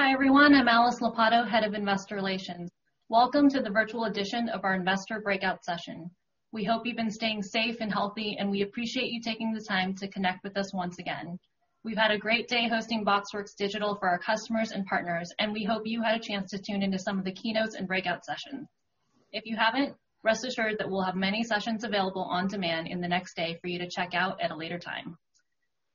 Hi, everyone. I'm Alice Lopatto, Head of Investor Relations. Welcome to the virtual edition of our investor breakout session. We hope you've been staying safe and healthy, and we appreciate you taking the time to connect with us once again. We've had a great day hosting BoxWorks Digital for our customers and partners, and we hope you had a chance to tune into some of the keynotes and breakout sessions. If you haven't, rest assured that we'll have many sessions available on demand in the next day for you to check out at a later time.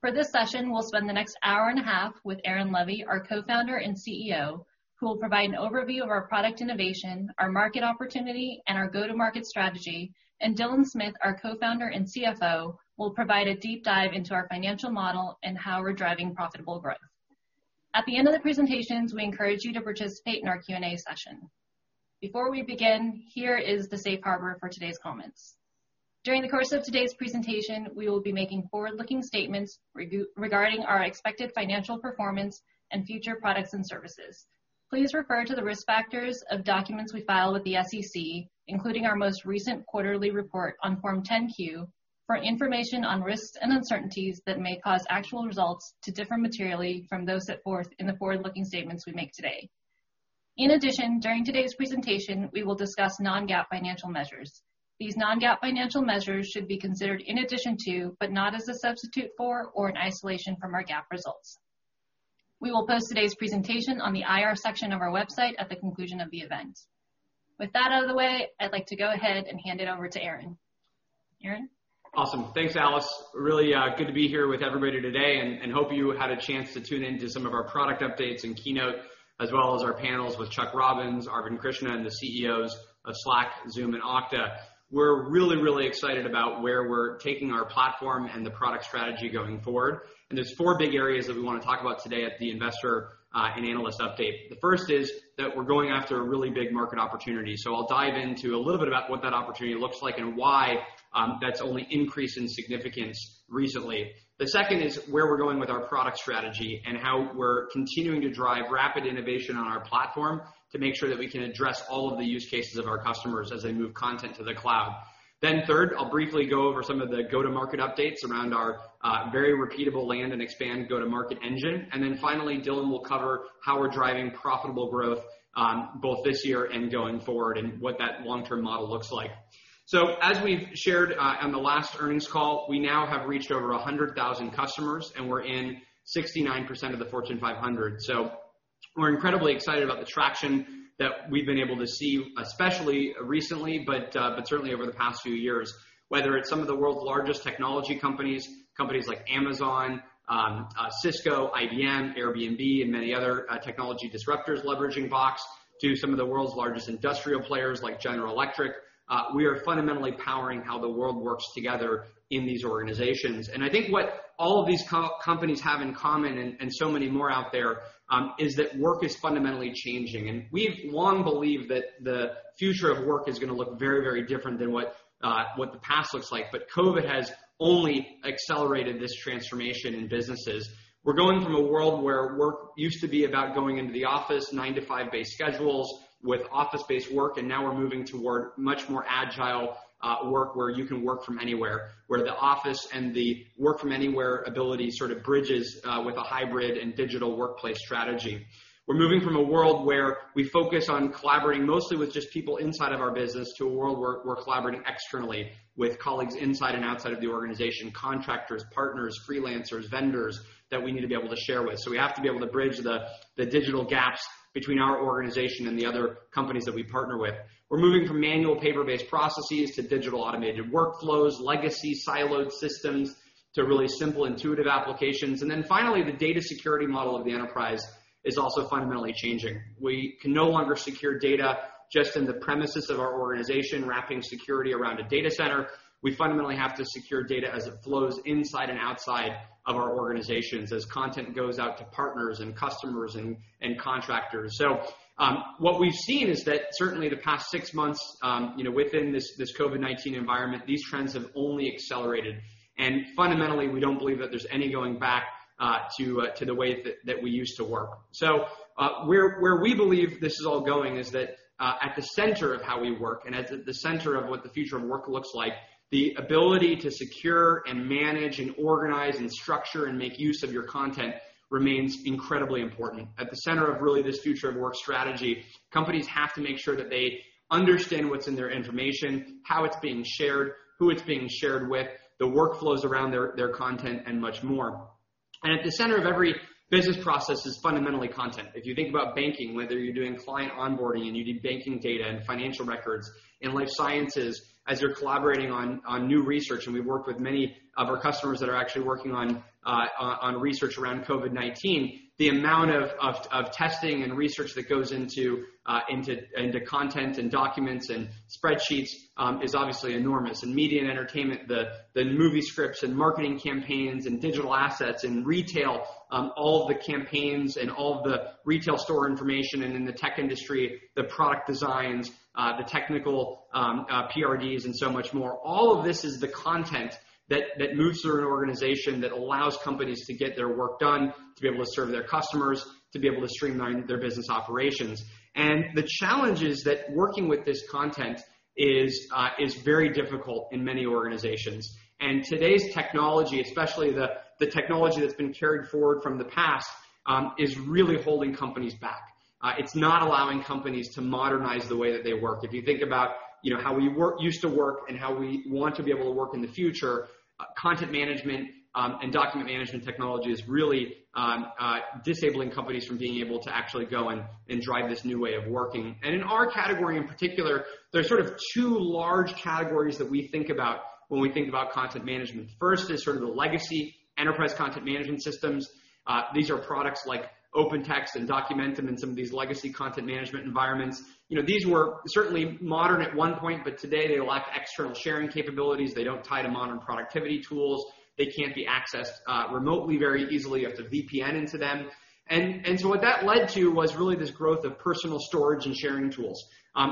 For this session, we'll spend the next hour and a half with Aaron Levie, our Co-Founder and CEO, who will provide an overview of our product innovation, our market opportunity, and our go-to-market strategy. Dylan Smith, our Co-Founder and CFO, will provide a deep dive into our financial model and how we're driving profitable growth. At the end of the presentations, we encourage you to participate in our Q&A session. Before we begin, here is the safe harbor for today's comments. During the course of today's presentation, we will be making forward-looking statements regarding our expected financial performance and future products and services. Please refer to the risk factors of documents we file with the SEC, including our most recent quarterly report on Form 10-Q, for information on risks and uncertainties that may cause actual results to differ materially from those set forth in the forward-looking statements we make today. In addition, during today's presentation, we will discuss non-GAAP financial measures. These non-GAAP financial measures should be considered in addition to, but not as a substitute for or in isolation from, our GAAP results. We will post today's presentation on the IR section of our website at the conclusion of the event. With that out of the way, I'd like to go ahead and hand it over to Aaron. Aaron? Awesome. Thanks, Alice. Really good to be here with everybody today. Hope you had a chance to tune in to some of our product updates and keynote, as well as our panels with Chuck Robbins, Arvind Krishna, and the CEOs of Slack, Zoom, and Okta. We're really excited about where we're taking our platform and the product strategy going forward. There's four big areas that we want to talk about today at the investor and analyst update. The first is that we're going after a really big market opportunity. I'll dive into a little bit about what that opportunity looks like and why that's only increased in significance recently. The second is where we're going with our product strategy and how we're continuing to drive rapid innovation on our platform to make sure that we can address all of the use cases of our customers as they move content to the cloud. Third, I'll briefly go over some of the go-to-market updates around our very repeatable land and expand go-to-market engine. Finally, Dylan will cover how we're driving profitable growth both this year and going forward and what that long-term model looks like. As we've shared on the last earnings call, we now have reached over 100,000 customers, and we're in 69% of the Fortune 500. We're incredibly excited about the traction that we've been able to see, especially recently, but certainly over the past few years. Whether it's some of the world's largest technology companies like Amazon, Cisco, IBM, Airbnb, and many other technology disruptors leveraging Box, to some of the world's largest industrial players like General Electric, we are fundamentally powering how the world works together in these organizations. I think what all of these companies have in common, and so many more out there, is that work is fundamentally changing. We've long believed that the future of work is going to look very, very different than what the past looks like. COVID has only accelerated this transformation in businesses. We're going from a world where work used to be about going into the office, nine-to-five based schedules with office-based work, and now we're moving toward much more agile work where you can work from anywhere. Where the office and the work-from-anywhere ability sort of bridges with a hybrid and digital workplace strategy. We're moving from a world where we focus on collaborating mostly with just people inside of our business, to a world where we're collaborating externally with colleagues inside and outside of the organization, contractors, partners, freelancers, vendors that we need to be able to share with. We have to be able to bridge the digital gaps between our organization and the other companies that we partner with. We're moving from manual paper-based processes to digital automated workflows, legacy siloed systems, to really simple, intuitive applications. Finally, the data security model of the enterprise is also fundamentally changing. We can no longer secure data just in the premises of our organization, wrapping security around a data center. We fundamentally have to secure data as it flows inside and outside of our organizations as content goes out to partners and customers and contractors. What we've seen is that certainly the past six months, within this COVID-19 environment, these trends have only accelerated. Fundamentally, we don't believe that there's any going back to the way that we used to work. Where we believe this is all going is that at the center of how we work and at the center of what the future of work looks like, the ability to secure and manage and organize and structure and make use of your content remains incredibly important. At the center of really this future of work strategy, companies have to make sure that they understand what's in their information, how it's being shared, who it's being shared with, the workflows around their content, and much more. At the center of every business process is fundamentally content. If you think about banking, whether you're doing client onboarding and you need banking data and financial records, in life sciences, as you're collaborating on new research, and we work with many of our customers that are actually working on research around COVID-19, the amount of testing and research that goes into content and documents and spreadsheets is obviously enormous. In media and entertainment, the movie scripts and marketing campaigns and digital assets. In retail, all of the campaigns and all of the retail store information. In the tech industry, the product designs, the technical PRDs, and so much more. All of this is the content that moves through an organization that allows companies to get their work done, to be able to serve their customers, to be able to streamline their business operations. The challenge is that working with this content is very difficult in many organizations, today's technology, especially the technology that's been carried forward from the past, is really holding companies back. It's not allowing companies to modernize the way that they work. If you think about how we used to work and how we want to be able to work in the future, content management and document management technology is really disabling companies from being able to actually go and drive this new way of working. In our category in particular, there's sort of two large categories that we think about when we think about content management. First is sort of the legacy enterprise content management systems. These are products like OpenText and Documentum and some of these legacy content management environments. These were certainly modern at one point, but today they lack external sharing capabilities. They don't tie to modern productivity tools. They can't be accessed remotely very easily. You have to VPN into them. What that led to was really this growth of personal storage and sharing tools.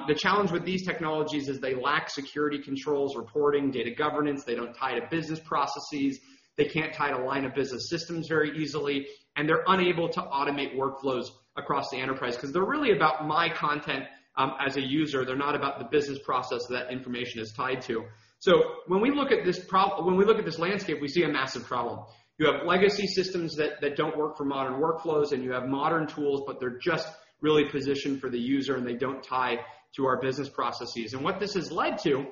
The challenge with these technologies is they lack security controls, reporting, data governance. They don't tie to business processes. They can't tie to line of business systems very easily, and they're unable to automate workflows across the enterprise, because they're really about my content as a user. They're not about the business process that information is tied to. When we look at this landscape, we see a massive problem. You have legacy systems that don't work for modern workflows, and you have modern tools, but they're just really positioned for the user, and they don't tie to our business processes. What this has led to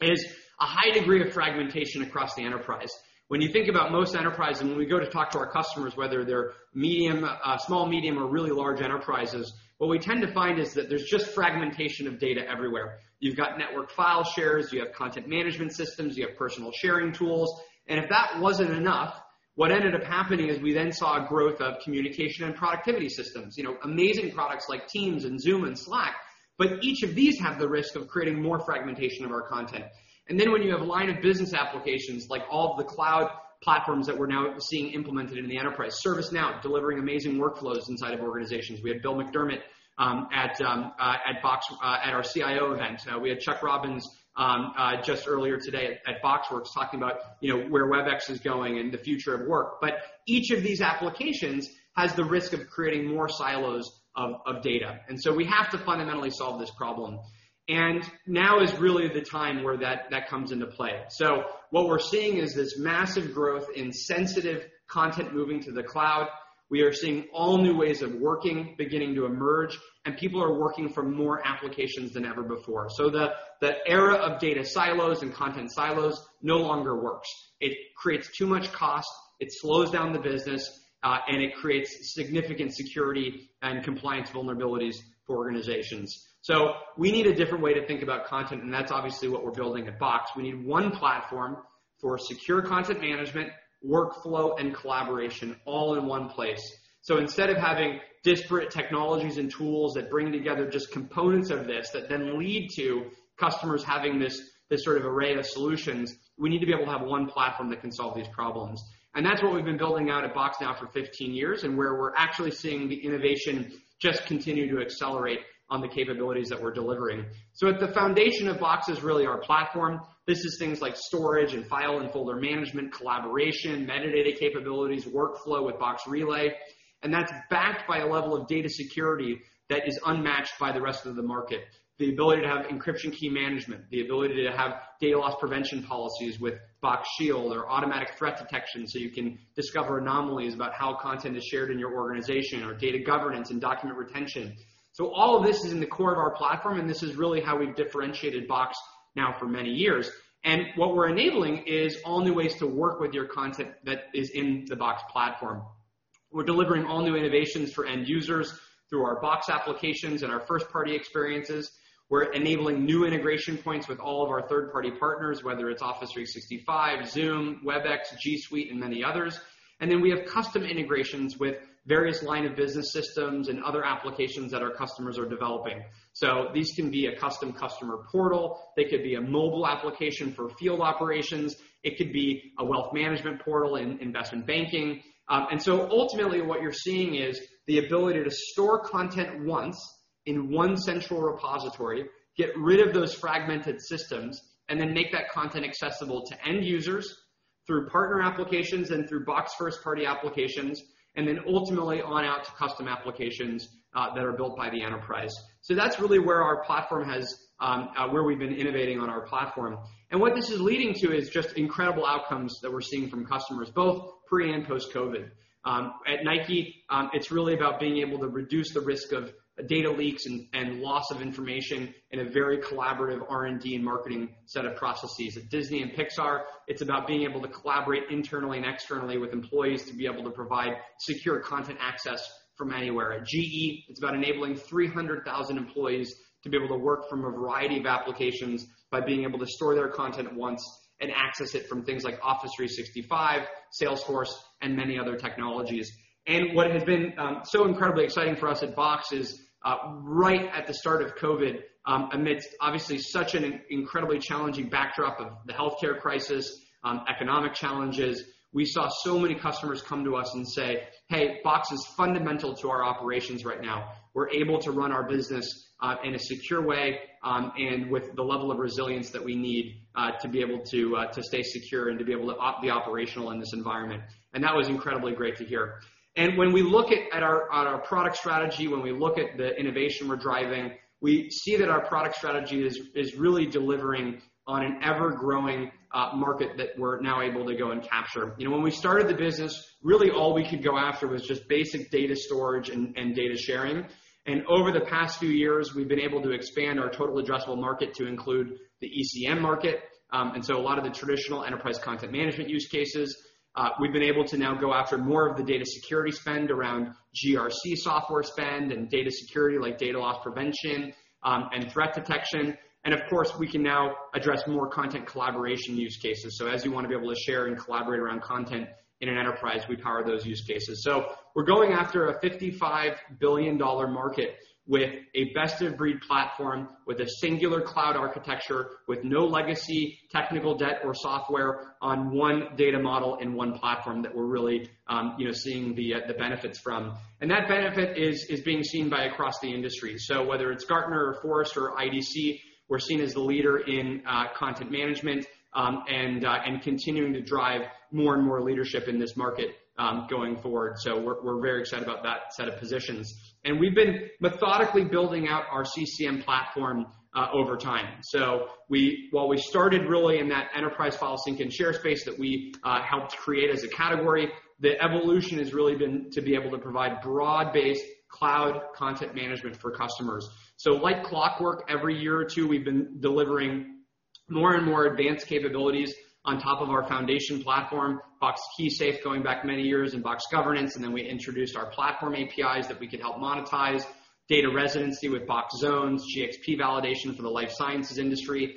is a high degree of fragmentation across the enterprise. When you think about most enterprises, and when we go to talk to our customers, whether they're small, medium, or really large enterprises, what we tend to find is that there's just fragmentation of data everywhere. You've got network file shares, you have content management systems, you have personal sharing tools, and if that wasn't enough, what ended up happening is we then saw a growth of communication and productivity systems. Amazing products like Teams and Zoom and Slack, but each of these have the risk of creating more fragmentation of our content. When you have line of business applications, like all of the cloud platforms that we're now seeing implemented in the enterprise. ServiceNow, delivering amazing workflows inside of organizations. We had Bill McDermott at our CIO event. We had Chuck Robbins just earlier today at BoxWorks talking about where Webex is going and the future of work. Each of these applications has the risk of creating more silos of data. So we have to fundamentally solve this problem. Now is really the time where that comes into play. What we're seeing is this massive growth in sensitive content moving to the cloud. We are seeing all new ways of working beginning to emerge, and people are working from more applications than ever before. The era of data silos and content silos no longer works. It creates too much cost, it slows down the business, and it creates significant security and compliance vulnerabilities for organizations. We need a different way to think about content, and that's obviously what we're building at Box. We need one platform for secure content management, workflow, and collaboration all in one place. Instead of having disparate technologies and tools that bring together just components of this, that then lead to customers having this sort of array of solutions, we need to be able to have one platform that can solve these problems. That's what we've been building out at Box now for 15 years, and where we're actually seeing the innovation just continue to accelerate on the capabilities that we're delivering. At the foundation of Box is really our platform. This is things like storage and file and folder management, collaboration, metadata capabilities, workflow with Box Relay, and that's backed by a level of data security that is unmatched by the rest of the market. The ability to have encryption key management, the ability to have data loss prevention policies with Box Shield or automatic threat detection so you can discover anomalies about how content is shared in your organization, or data governance and document retention. All of this is in the core of our platform, and this is really how we've differentiated Box now for many years. What we're enabling is all new ways to work with your content that is in the Box platform. We're delivering all new innovations for end users through our Box applications and our first-party experiences. We're enabling new integration points with all of our third-party partners, whether it's Office 365, Zoom, Webex, G Suite and many others. We have custom integrations with various line of business systems and other applications that our customers are developing. These can be a custom customer portal, they could be a mobile application for field operations, it could be a wealth management portal in investment banking. Ultimately what you're seeing is the ability to store content once in one central repository, get rid of those fragmented systems, then make that content accessible to end users through partner applications and through Box first-party applications, then ultimately on out to custom applications that are built by the enterprise. That's really where we've been innovating on our platform. What this is leading to is just incredible outcomes that we're seeing from customers both pre and post-COVID. At Nike, it's really about being able to reduce the risk of data leaks and loss of information in a very collaborative R&D and marketing set of processes. At Disney and Pixar, it's about being able to collaborate internally and externally with employees to be able to provide secure content access from anywhere. At GE, it's about enabling 300,000 employees to be able to work from a variety of applications by being able to store their content once and access it from things like Office 365, Salesforce and many other technologies. What has been so incredibly exciting for us at Box is, right at the start of COVID, amidst obviously such an incredibly challenging backdrop of the healthcare crisis, economic challenges, we saw so many customers come to us and say, "Hey, Box is fundamental to our operations right now. We're able to run our business in a secure way, and with the level of resilience that we need to be able to stay secure and to be able to be operational in this environment. That was incredibly great to hear. When we look at our product strategy, when we look at the innovation we're driving, we see that our product strategy is really delivering on an ever-growing market that we're now able to go and capture. When we started the business, really all we could go after was just basic data storage and data sharing. Over the past few years, we've been able to expand our total addressable market to include the ECM market. A lot of the traditional enterprise content management use cases, we've been able to now go after more of the data security spend around GRC software spend and data security, like data loss prevention, and threat detection. Of course, we can now address more content collaboration use cases. As you want to be able to share and collaborate around content in an enterprise, we power those use cases. We're going after a $55 billion market with a best-of-breed platform, with a singular cloud architecture, with no legacy, technical debt, or software on one data model and one platform that we're really seeing the benefits from. That benefit is being seen by across the industry. Whether it's Gartner or Forrester or IDC, we're seen as the leader in content management, and continuing to drive more and more leadership in this market, going forward. We're very excited about that set of positions. We've been methodically building out our CCM platform over time. While we started really in that enterprise file sync and share space that we helped create as a category, the evolution has really been to be able to provide broad-based cloud content management for customers. Like clockwork, every year or two, we've been delivering more and more advanced capabilities on top of our foundation platform, Box KeySafe, going back many years, and Box Governance, and then we introduced our platform APIs that we could help monetize, data residency with Box Zones, GxP validation for the life sciences industry.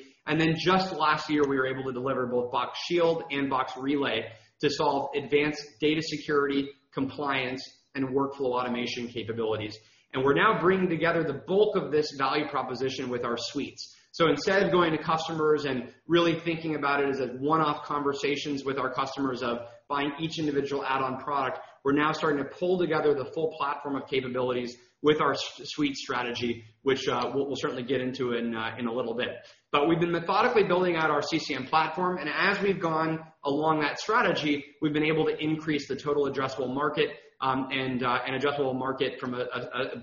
Just last year, we were able to deliver both Box Shield and Box Relay to solve advanced data security, compliance, and workflow automation capabilities. We're now bringing together the bulk of this value proposition with our suites. Instead of going to customers and really thinking about it as a one-off conversations with our customers of buying each individual add-on product, we're now starting to pull together the full platform of capabilities with our suite strategy, which we'll certainly get into in a little bit. We've been methodically building out our CCM platform, and as we've gone along that strategy, we've been able to increase the total addressable market, and adjustable market from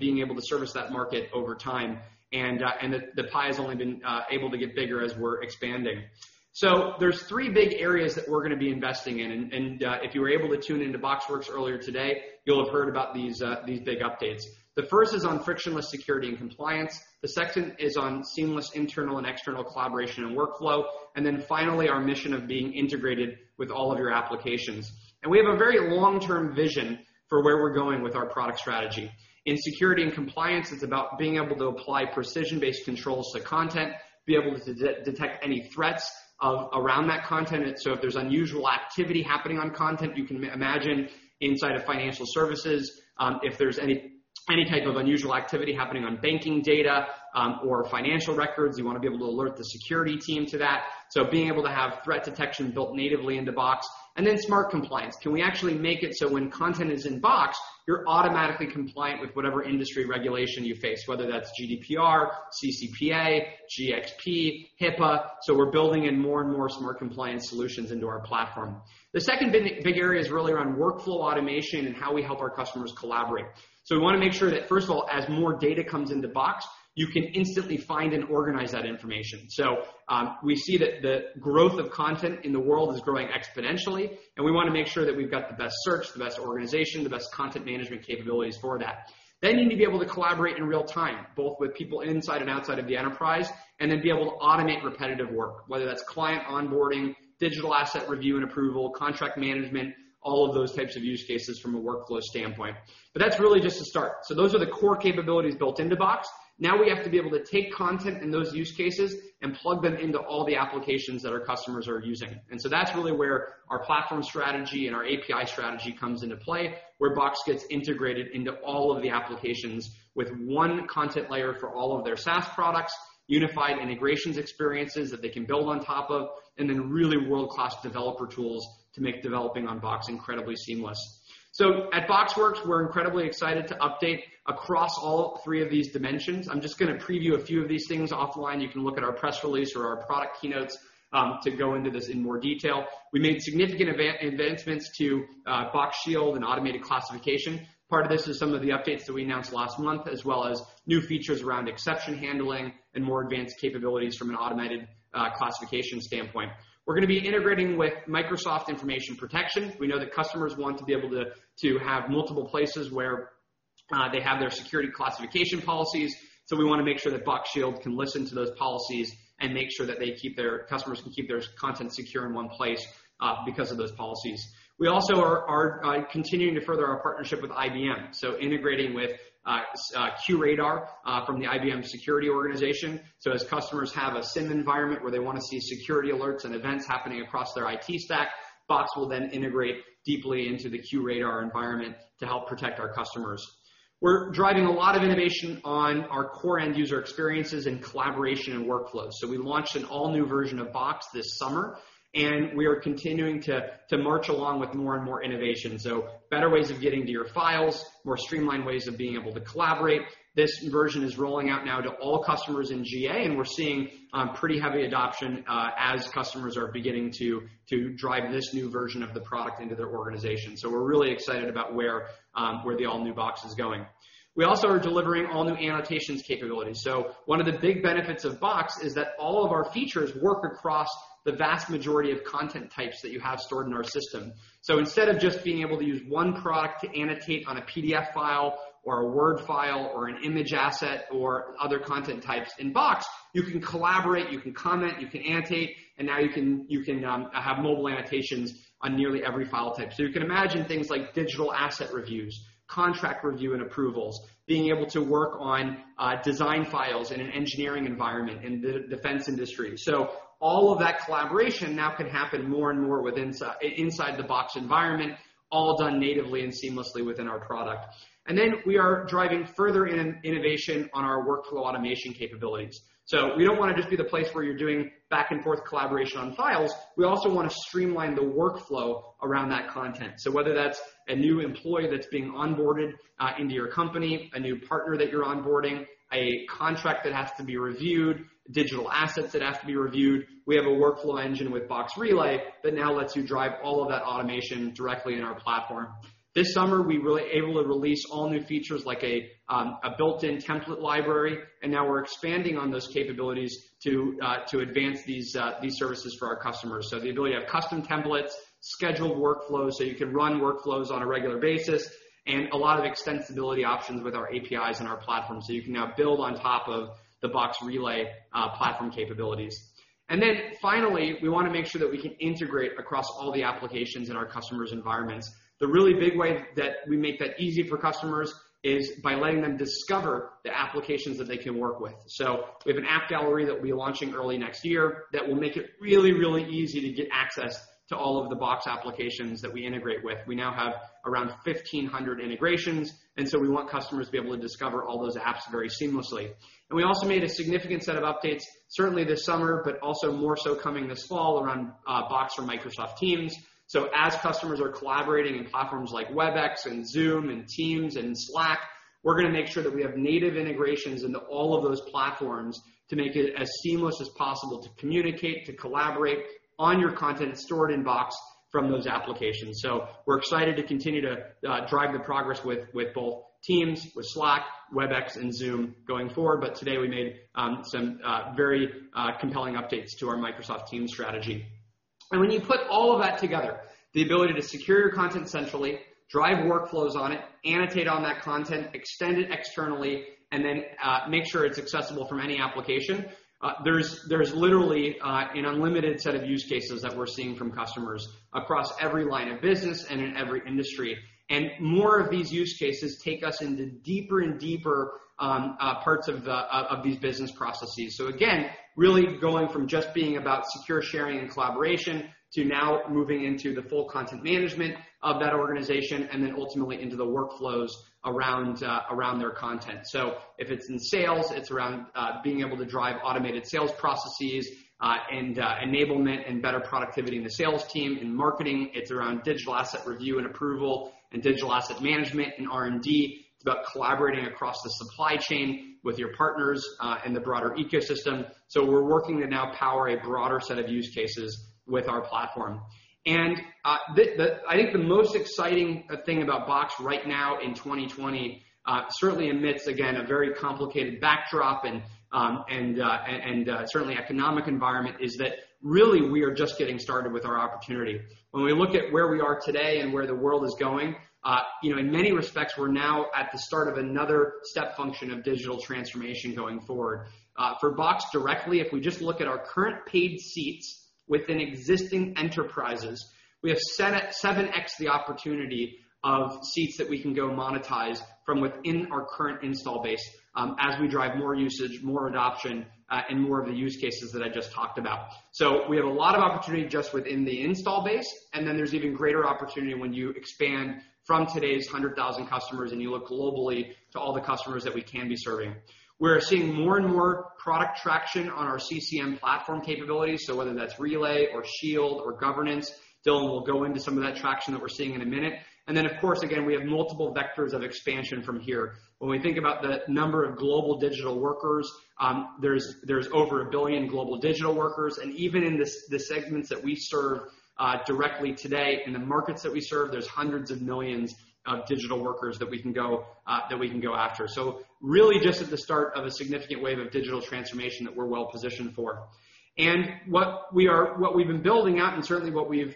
being able to service that market over time. The pie has only been able to get bigger as we're expanding. There are three big areas that we're going to be investing in. If you were able to tune into BoxWorks earlier today, you'll have heard about these big updates. The first is on frictionless security and compliance. The second is on seamless internal and external collaboration and workflow. Finally, our mission of being integrated with all of your applications. We have a very long-term vision for where we're going with our product strategy. In security and compliance, it's about being able to apply precision-based controls to content, be able to detect any threats around that content. If there's unusual activity happening on content, you can imagine inside of financial services, if there's any type of unusual activity happening on banking data, or financial records, you want to be able to alert the security team to that. Being able to have threat detection built natively into Box, and then smart compliance. Can we actually make it so when content is in Box, you're automatically compliant with whatever industry regulation you face, whether that's GDPR, CCPA, GxP, HIPAA? We're building in more and more smart compliance solutions into our platform. The second big area is really around workflow automation and how we help our customers collaborate. We want to make sure that, first of all, as more data comes into Box, you can instantly find and organize that information. We see that the growth of content in the world is growing exponentially, and we want to make sure that we've got the best search, the best organization, the best content management capabilities for that. You need to be able to collaborate in real time, both with people inside and outside of the enterprise, and then be able to automate repetitive work, whether that's client onboarding, digital asset review and approval, contract management, all of those types of use cases from a workflow standpoint. That's really just a start. Those are the core capabilities built into Box. Now we have to be able to take content in those use cases and plug them into all the applications that our customers are using. That's really where our platform strategy and our API strategy comes into play, where Box gets integrated into all of the applications with one content layer for all of their SaaS products, unified integrations experiences that they can build on top of, and then really world-class developer tools to make developing on Box incredibly seamless. At BoxWorks, we're incredibly excited to update across all three of these dimensions. I'm just going to preview a few of these things offline. You can look at our press release or our product keynotes, to go into this in more detail. We made significant advancements to Box Shield and automated classification. Part of this is some of the updates that we announced last month, as well as new features around exception handling and more advanced capabilities from an automated classification standpoint. We're going to be integrating with Microsoft Purview Information Protection. We know that customers want to be able to have multiple places where they have their security classification policies. We want to make sure that Box Shield can listen to those policies and make sure that their customers can keep their content secure in one place because of those policies. We also are continuing to further our partnership with IBM, integrating with QRadar from the IBM security organization. As customers have a SIEM environment where they want to see security alerts and events happening across their IT stack, Box will then integrate deeply into the QRadar environment to help protect our customers. We're driving a lot of innovation on our core end-user experiences in collaboration and workflow. We launched an all-new version of Box this summer, and we are continuing to march along with more and more innovation. Better ways of getting to your files, more streamlined ways of being able to collaborate. This version is rolling out now to all customers in GA, and we're seeing pretty heavy adoption as customers are beginning to drive this new version of the product into their organization. We're really excited about where the all-new Box is going. We also are delivering all-new annotations capabilities. One of the big benefits of Box is that all of our features work across the vast majority of content types that you have stored in our system. Instead of just being able to use one product to annotate on a PDF file or a Word file or an image asset or other content types in Box, you can collaborate, you can comment, you can annotate, and now you can have mobile annotations on nearly every file type. You can imagine things like digital asset reviews, contract review and approvals, being able to work on design files in an engineering environment in the defense industry. All of that collaboration now can happen more and more inside the Box environment, all done natively and seamlessly within our product. We are driving further innovation on our workflow automation capabilities. We don't want to just be the place where you're doing back-and-forth collaboration on files. We also want to streamline the workflow around that content. Whether that's a new employee that's being onboarded into your company, a new partner that you're onboarding, a contract that has to be reviewed, digital assets that have to be reviewed, we have a workflow engine with Box Relay that now lets you drive all of that automation directly in our platform. This summer, we were able to release all new features like a built-in template library, and now we're expanding on those capabilities to advance these services for our customers. The ability to have custom templates, scheduled workflows, so you can run workflows on a regular basis, and a lot of extensibility options with our APIs and our platform. You can now build on top of the Box Relay platform capabilities. Finally, we want to make sure that we can integrate across all the applications in our customers' environments. The really big way that we make that easy for customers is by letting them discover the applications that they can work with. We have an app gallery that we're launching early next year that will make it really, really easy to get access to all of the Box applications that we integrate with. We now have around 1,500 integrations. We want customers to be able to discover all those apps very seamlessly. We also made a significant set of updates, certainly this summer, but also more so coming this fall, around Box for Microsoft Teams. As customers are collaborating in platforms like Webex and Zoom and Teams and Slack, we're going to make sure that we have native integrations into all of those platforms to make it as seamless as possible to communicate, to collaborate on your content stored in Box from those applications. We're excited to continue to drive the progress with both Teams, with Slack, Webex and Zoom going forward. Today we made some very compelling updates to our Microsoft Teams strategy. When you put all of that together, the ability to secure your content centrally, drive workflows on it, annotate on that content, extend it externally, and then make sure it's accessible from any application, there's literally an unlimited set of use cases that we're seeing from customers across every line of business and in every industry. More of these use cases take us into deeper and deeper parts of these business processes. Again, really going from just being about secure sharing and collaboration to now moving into the full content management of that organization and then ultimately into the workflows around their content. If it's in sales, it's around being able to drive automated sales processes and enablement and better productivity in the sales team. In marketing, it's around digital asset review and approval and digital asset management. In R&D, it's about collaborating across the supply chain with your partners and the broader ecosystem. We're working to now power a broader set of use cases with our platform. I think the most exciting thing about Box right now in 2020, certainly amidst, again, a very complicated backdrop and certainly economic environment, is that really we are just getting started with our opportunity. When we look at where we are today and where the world is going, in many respects, we're now at the start of another step function of digital transformation going forward. For Box directly, if we just look at our current paid seats within existing enterprises, we have 7x the opportunity of seats that we can go monetize from within our current install base as we drive more usage, more adoption, and more of the use cases that I just talked about. We have a lot of opportunity just within the install base, and then there's even greater opportunity when you expand from today's 100,000 customers and you look globally to all the customers that we can be serving. We're seeing more and more product traction on our CCM platform capabilities, so whether that's Relay or Shield or Governance. Dylan will go into some of that traction that we're seeing in a minute. Of course, again, we have multiple vectors of expansion from here. When we think about the number of global digital workers, there's over one billion global digital workers, and even in the segments that we serve directly today, in the markets that we serve, there's hundreds of millions of digital workers that we can go after. Really just at the start of a significant wave of digital transformation that we're well positioned for. What we've been building out and certainly what we've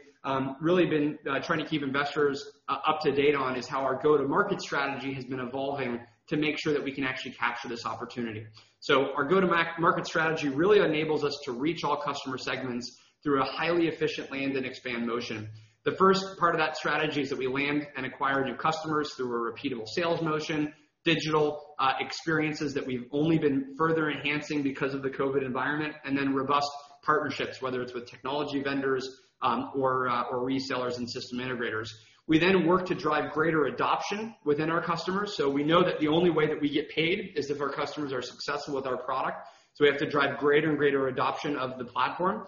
really been trying to keep investors up to date on is how our go-to-market strategy has been evolving to make sure that we can actually capture this opportunity. Our go-to-market strategy really enables us to reach all customer segments through a highly efficient land and expand motion. The first part of that strategy is that we land and acquire new customers through a repeatable sales motion, digital experiences that we've only been further enhancing because of the COVID-19 environment, robust partnerships, whether it's with technology vendors or resellers and system integrators. We work to drive greater adoption within our customers. We know that the only way that we get paid is if our customers are successful with our product. We have to drive greater and greater adoption of the platform,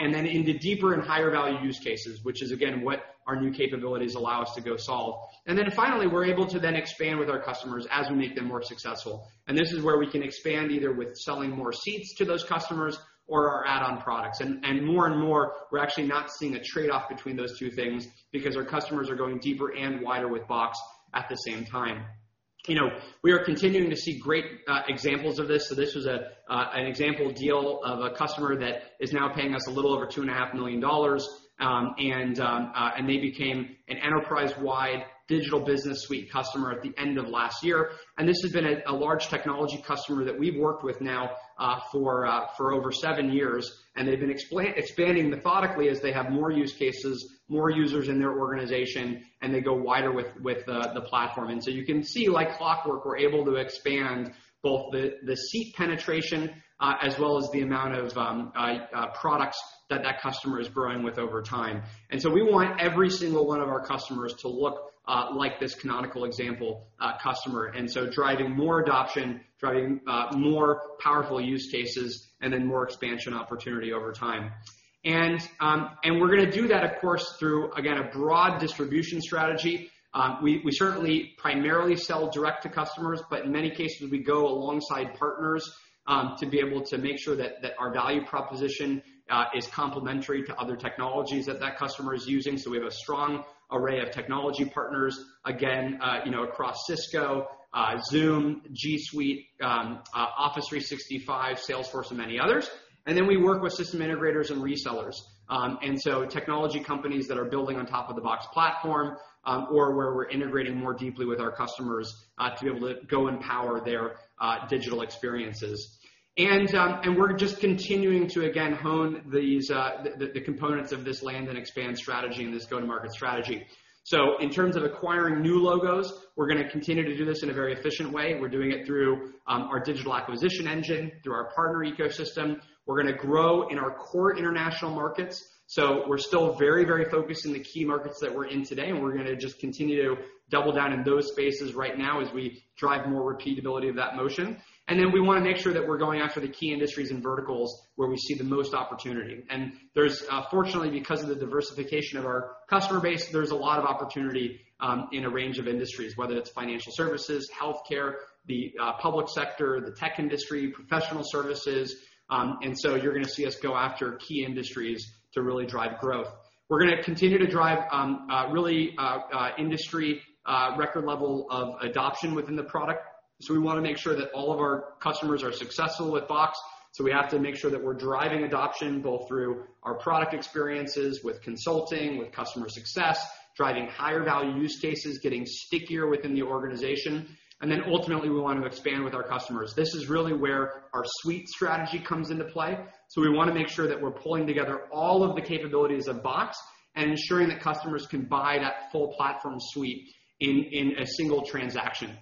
into deeper and higher value use cases, which is, again, what our new capabilities allow us to go solve. Finally, we're able to then expand with our customers as we make them more successful. This is where we can expand either with selling more seats to those customers or our add-on products. More and more, we're actually not seeing a trade-off between those two things because our customers are going deeper and wider with Box at the same time. We are continuing to see great examples of this. This was an example deal of a customer that is now paying us a little over $2.5 million. They became an enterprise-wide Digital Business Suite customer at the end of last year. This has been a large technology customer that we've worked with now for over seven years. They've been expanding methodically as they have more use cases, more users in their organization, and they go wider with the platform. You can see like clockwork, we're able to expand both the seat penetration as well as the amount of products that customer is growing with over time. We want every single one of our customers to look like this canonical example customer. Driving more adoption, driving more powerful use cases, and then more expansion opportunity over time. We're going to do that, of course, through, again, a broad distribution strategy. We certainly primarily sell direct to customers, but in many cases, we go alongside partners to be able to make sure that our value proposition is complementary to other technologies that that customer is using. We have a strong array of technology partners, again, across Cisco, Zoom, G Suite, Microsoft 365, Salesforce, and many others. We work with system integrators and resellers, technology companies that are building on top of the Box platform or where we're integrating more deeply with our customers to be able to go and power their digital experiences. We're just continuing to, again, hone the components of this land and expand strategy and this go-to-market strategy. In terms of acquiring new logos, we're going to continue to do this in a very efficient way. We're doing it through our digital acquisition engine, through our partner ecosystem. We're going to grow in our core international markets. We're still very focused on the key markets that we're in today, and we're going to just continue to double down in those spaces right now as we drive more repeatability of that motion. Then we want to make sure that we're going after the key industries and verticals where we see the most opportunity. There's, fortunately, because of the diversification of our customer base, there's a lot of opportunity in a range of industries, whether it's financial services, healthcare, the public sector, the tech industry, professional services. You're going to see us go after key industries to really drive growth. We're going to continue to drive really industry record level of adoption within the product. We want to make sure that all of our customers are successful with Box. We have to make sure that we're driving adoption both through our product experiences with consulting, with customer success, driving higher value use cases, getting stickier within the organization. Ultimately, we want to expand with our customers. This is really where our suite strategy comes into play. We want to make sure that we're pulling together all of the capabilities of Box and ensuring that customers can buy that full platform suite in a single transaction.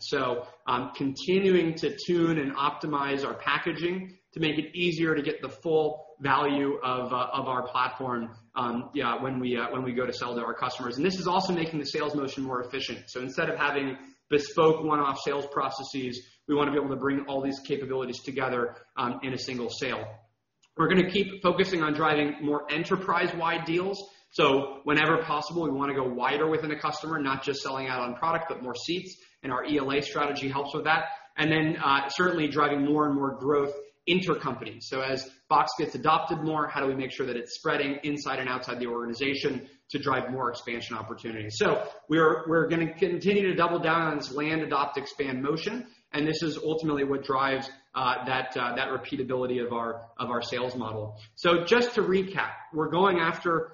Continuing to tune and optimize our packaging to make it easier to get the full value of our platform when we go to sell to our customers. This is also making the sales motion more efficient. Instead of having bespoke one-off sales processes, we want to be able to bring all these capabilities together in a single sale. We're going to keep focusing on driving more enterprise-wide deals. Whenever possible, we want to go wider within a customer, not just selling add-on product, but more seats, and our ELA strategy helps with that. Certainly, driving more and more growth intercompany. As Box gets adopted more, how do we make sure that it's spreading inside and outside the organization to drive more expansion opportunities? We're going to continue to double down on this land, adopt, expand motion, and this is ultimately what drives that repeatability of our sales model. Just to recap, we're going after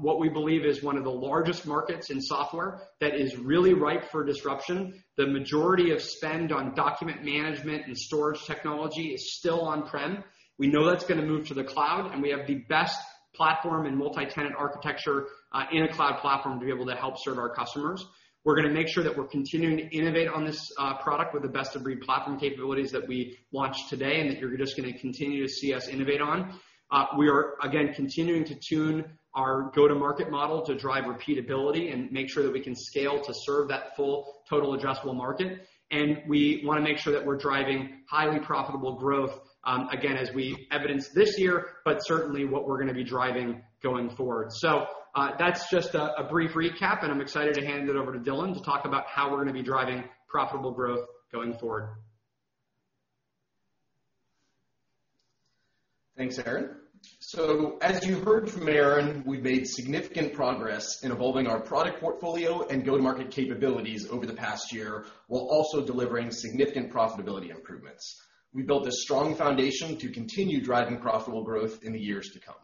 what we believe is one of the largest markets in software that is really ripe for disruption. The majority of spend on document management and storage technology is still on-prem. We know that's going to move to the cloud, and we have the best platform and multi-tenant architecture in a cloud platform to be able to help serve our customers. We're going to make sure that we're continuing to innovate on this product with the best-of-breed platform capabilities that we launched today and that you're just going to continue to see us innovate on. We are, again, continuing to tune our go-to-market model to drive repeatability and make sure that we can scale to serve that full total addressable market. We want to make sure that we're driving highly profitable growth, again, as we evidenced this year, but certainly what we're going to be driving going forward. That's just a brief recap, and I'm excited to hand it over to Dylan to talk about how we're going to be driving profitable growth going forward. Thanks, Aaron. As you heard from Aaron, we've made significant progress in evolving our product portfolio and go-to-market capabilities over the past year, while also delivering significant profitability improvements. We built a strong foundation to continue driving profitable growth in the years to come.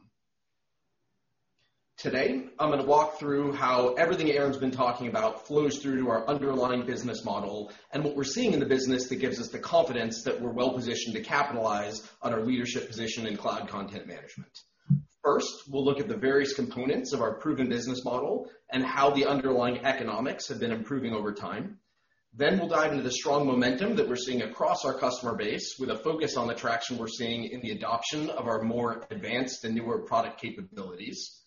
Today, I'm going to walk through how everything Aaron's been talking about flows through to our underlying business model and what we're seeing in the business that gives us the confidence that we're well-positioned to capitalize on our leadership position in cloud content management. First, we'll look at the various components of our proven business model and how the underlying economics have been improving over time. We'll dive into the strong momentum that we're seeing across our customer base with a focus on the traction we're seeing in the adoption of our more advanced and newer product capabilities.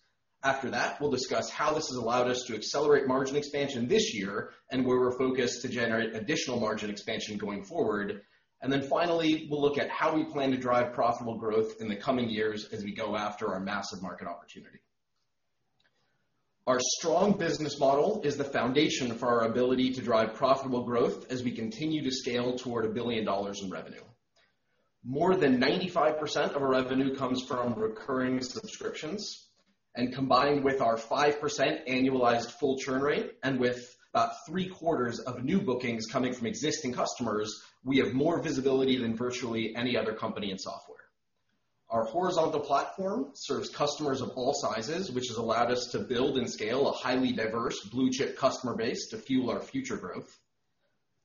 After that, we'll discuss how this has allowed us to accelerate margin expansion this year and where we're focused to generate additional margin expansion going forward. Finally, we'll look at how we plan to drive profitable growth in the coming years as we go after our massive market opportunity. Our strong business model is the foundation for our ability to drive profitable growth as we continue to scale toward $1 billion in revenue. More than 95% of our revenue comes from recurring subscriptions. Combined with our 5% annualized full churn rate and with about three-quarters of new bookings coming from existing customers, we have more visibility than virtually any other company in software. Our horizontal platform serves customers of all sizes, which has allowed us to build and scale a highly diverse blue-chip customer base to fuel our future growth.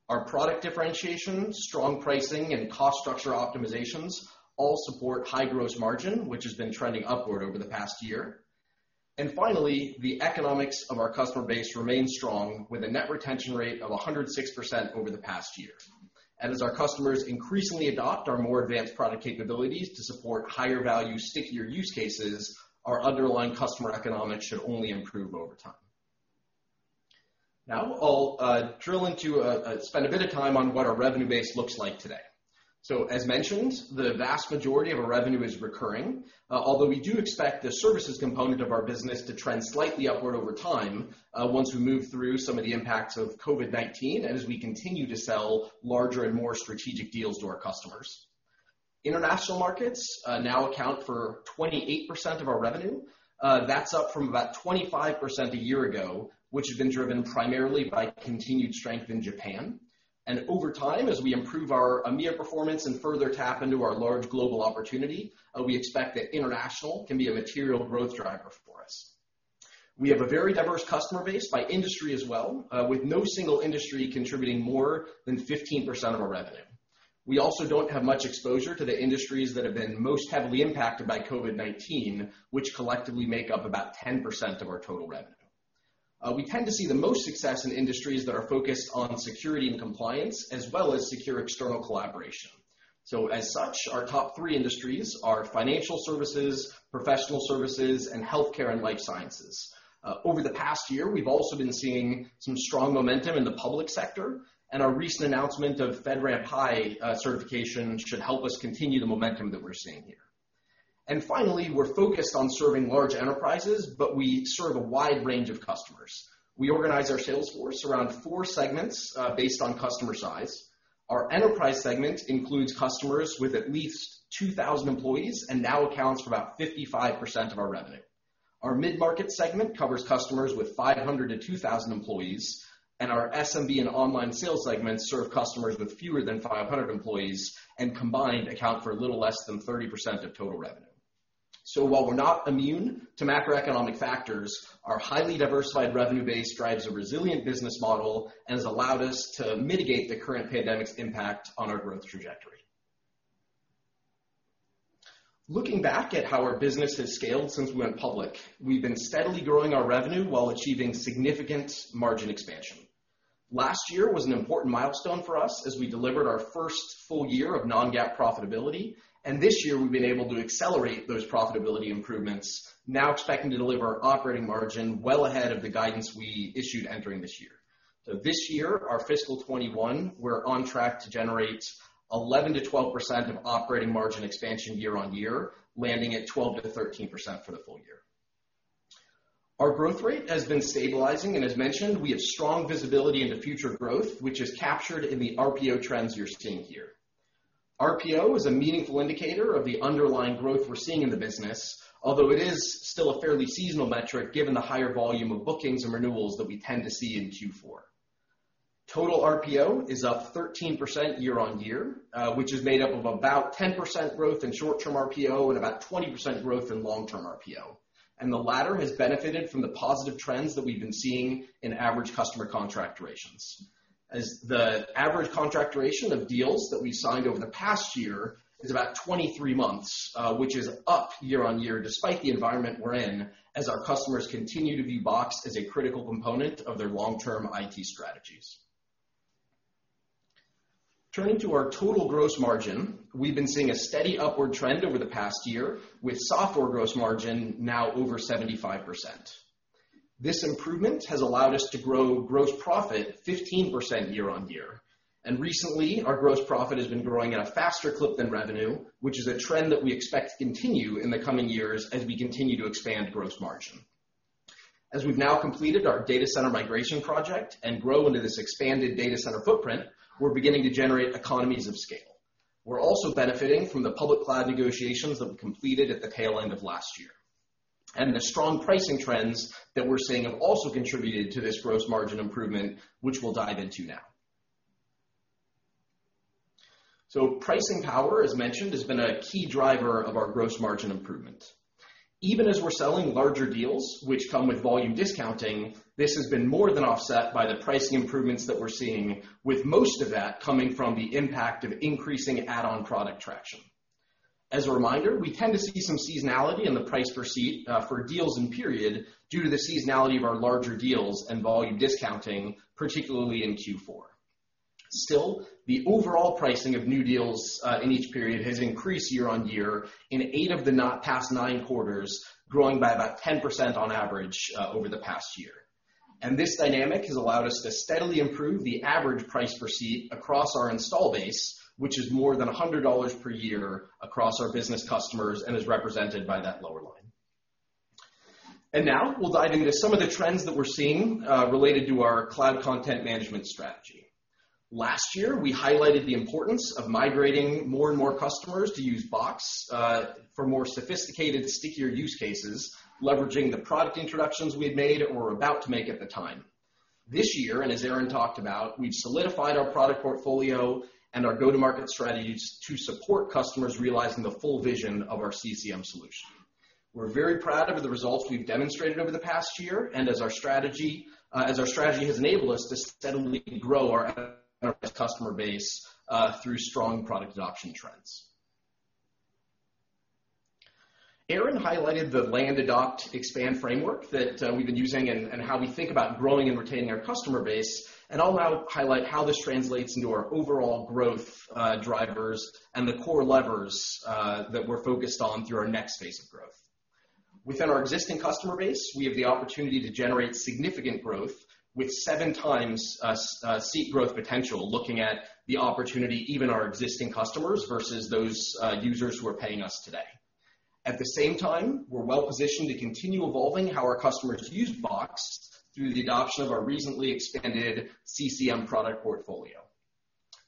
Our product differentiation, strong pricing, and cost structure optimizations all support high gross margin, which has been trending upward over the past year. Finally, the economics of our customer base remain strong with a net retention rate of 106% over the past year. As our customers increasingly adopt our more advanced product capabilities to support higher value, stickier use cases, our underlying customer economics should only improve over time. I'll spend a bit of time on what our revenue base looks like today. As mentioned, the vast majority of our revenue is recurring, although we do expect the services component of our business to trend slightly upward over time, once we move through some of the impacts of COVID-19, and as we continue to sell larger and more strategic deals to our customers. International markets now account for 28% of our revenue. That's up from about 25% a year ago, which has been driven primarily by continued strength in Japan. Over time, as we improve our EMEA performance and further tap into our large global opportunity, we expect that international can be a material growth driver for us. We have a very diverse customer base by industry as well, with no single industry contributing more than 15% of our revenue. We also don't have much exposure to the industries that have been most heavily impacted by COVID-19, which collectively make up about 10% of our total revenue. We tend to see the most success in industries that are focused on security and compliance, as well as secure external collaboration. As such, our top three industries are financial services, professional services, and healthcare and life sciences. Over the past year, we've also been seeing some strong momentum in the public sector, and our recent announcement of FedRAMP High certification should help us continue the momentum that we're seeing here. Finally, we're focused on serving large enterprises, but we serve a wide range of customers. We organize our sales force around four segments based on customer size. Our enterprise segment includes customers with at least 2,000 employees and now accounts for about 55% of our revenue. Our mid-market segment covers customers with 500-2,000 employees, and our SMB and online sales segments serve customers with fewer than 500 employees and combined account for a little less than 30% of total revenue. While we're not immune to macroeconomic factors, our highly diversified revenue base drives a resilient business model and has allowed us to mitigate the current pandemic's impact on our growth trajectory. Looking back at how our business has scaled since we went public, we've been steadily growing our revenue while achieving significant margin expansion. Last year was an important milestone for us as we delivered our first full year of non-GAAP profitability, and this year we've been able to accelerate those profitability improvements, now expecting to deliver operating margin well ahead of the guidance we issued entering this year. This year, our fiscal 2021, we're on track to generate 11%-12% of operating margin expansion year-on-year, landing at 12%-13% for the full year. Our growth rate has been stabilizing, and as mentioned, we have strong visibility into future growth, which is captured in the RPO trends you're seeing here. RPO is a meaningful indicator of the underlying growth we're seeing in the business, although it is still a fairly seasonal metric given the higher volume of bookings and renewals that we tend to see in Q4. Total RPO is up 13% year-on-year, which is made up of about 10% growth in short-term RPO and about 20% growth in long-term RPO. The latter has benefited from the positive trends that we've been seeing in average customer contract durations. The average contract duration of deals that we signed over the past year is about 23 months, which is up year-on-year despite the environment we're in, as our customers continue to view Box as a critical component of their long-term IT strategies. Turning to our total gross margin, we've been seeing a steady upward trend over the past year with software gross margin now over 75%. This improvement has allowed us to grow gross profit 15% year-on-year. Recently, our gross profit has been growing at a faster clip than revenue, which is a trend that we expect to continue in the coming years as we continue to expand gross margin. As we've now completed our data center migration project and grow into this expanded data center footprint, we're beginning to generate economies of scale. We're also benefiting from the public cloud negotiations that we completed at the tail end of last year. The strong pricing trends that we're seeing have also contributed to this gross margin improvement, which we'll dive into now. Pricing power, as mentioned, has been a key driver of our gross margin improvement. Even as we're selling larger deals, which come with volume discounting, this has been more than offset by the pricing improvements that we're seeing, with most of that coming from the impact of increasing add-on product traction. As a reminder, we tend to see some seasonality in the price per seat for deals in period due to the seasonality of our larger deals and volume discounting, particularly in Q4. Still, the overall pricing of new deals in each period has increased year-on-year in eight of the past nine quarters, growing by about 10% on average over the past year. This dynamic has allowed us to steadily improve the average price per seat across our install base, which is more than $100 per year across our business customers and is represented by that lower line. Now we'll dive into some of the trends that we're seeing related to our cloud content management strategy. Last year, we highlighted the importance of migrating more and more customers to use Box for more sophisticated, stickier use cases, leveraging the product introductions we had made or were about to make at the time. This year, and as Aaron talked about, we've solidified our product portfolio and our go-to-market strategies to support customers realizing the full vision of our CCM solution. We're very proud of the results we've demonstrated over the past year and as our strategy has enabled us to steadily grow our customer base through strong product adoption trends. Aaron highlighted the land, adopt, expand framework that we've been using and how we think about growing and retaining our customer base. I'll now highlight how this translates into our overall growth drivers and the core levers that we're focused on through our next phase of growth. Within our existing customer base, we have the opportunity to generate significant growth with 7x seat growth potential, looking at the opportunity even our existing customers versus those users who are paying us today. At the same time, we're well-positioned to continue evolving how our customers use Box through the adoption of our recently expanded CCM product portfolio.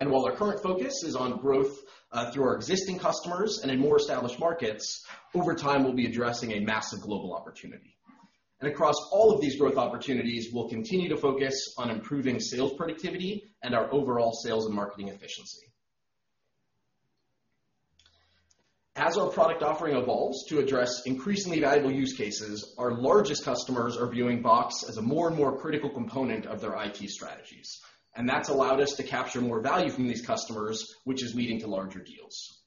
While our current focus is on growth through our existing customers and in more established markets, over time, we'll be addressing a massive global opportunity. Across all of these growth opportunities, we'll continue to focus on improving sales productivity and our overall sales and marketing efficiency. As our product offering evolves to address increasingly valuable use cases, our largest customers are viewing Box as a more and more critical component of their IT strategies. That's allowed us to capture more value from these customers, which is leading to larger deals.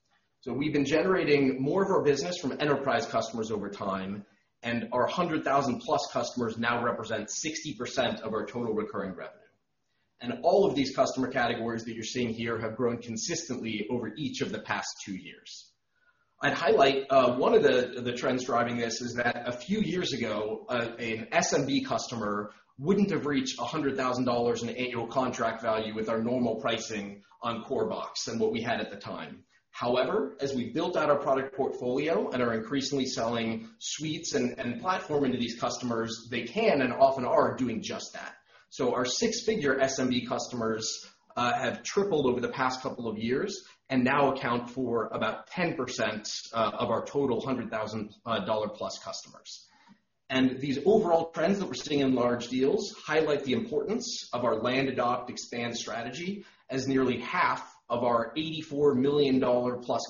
We've been generating more of our business from enterprise customers over time, and our 100,000-plus customers now represent 60% of our total recurring revenue. All of these customer categories that you're seeing here have grown consistently over each of the past two years. I'd highlight one of the trends driving this is that a few years ago, an SMB customer wouldn't have reached $100,000 in annual contract value with our normal pricing on core Box than what we had at the time. However, as we built out our product portfolio and are increasingly selling suites and platform into these customers, they can and often are doing just that. Our six-figure SMB customers have tripled over the past couple of years and now account for about 10% of our total $100,000+ customers. These overall trends that we're seeing in large deals highlight the importance of our land, adopt, expand strategy, as nearly 1/2 of our $84 million+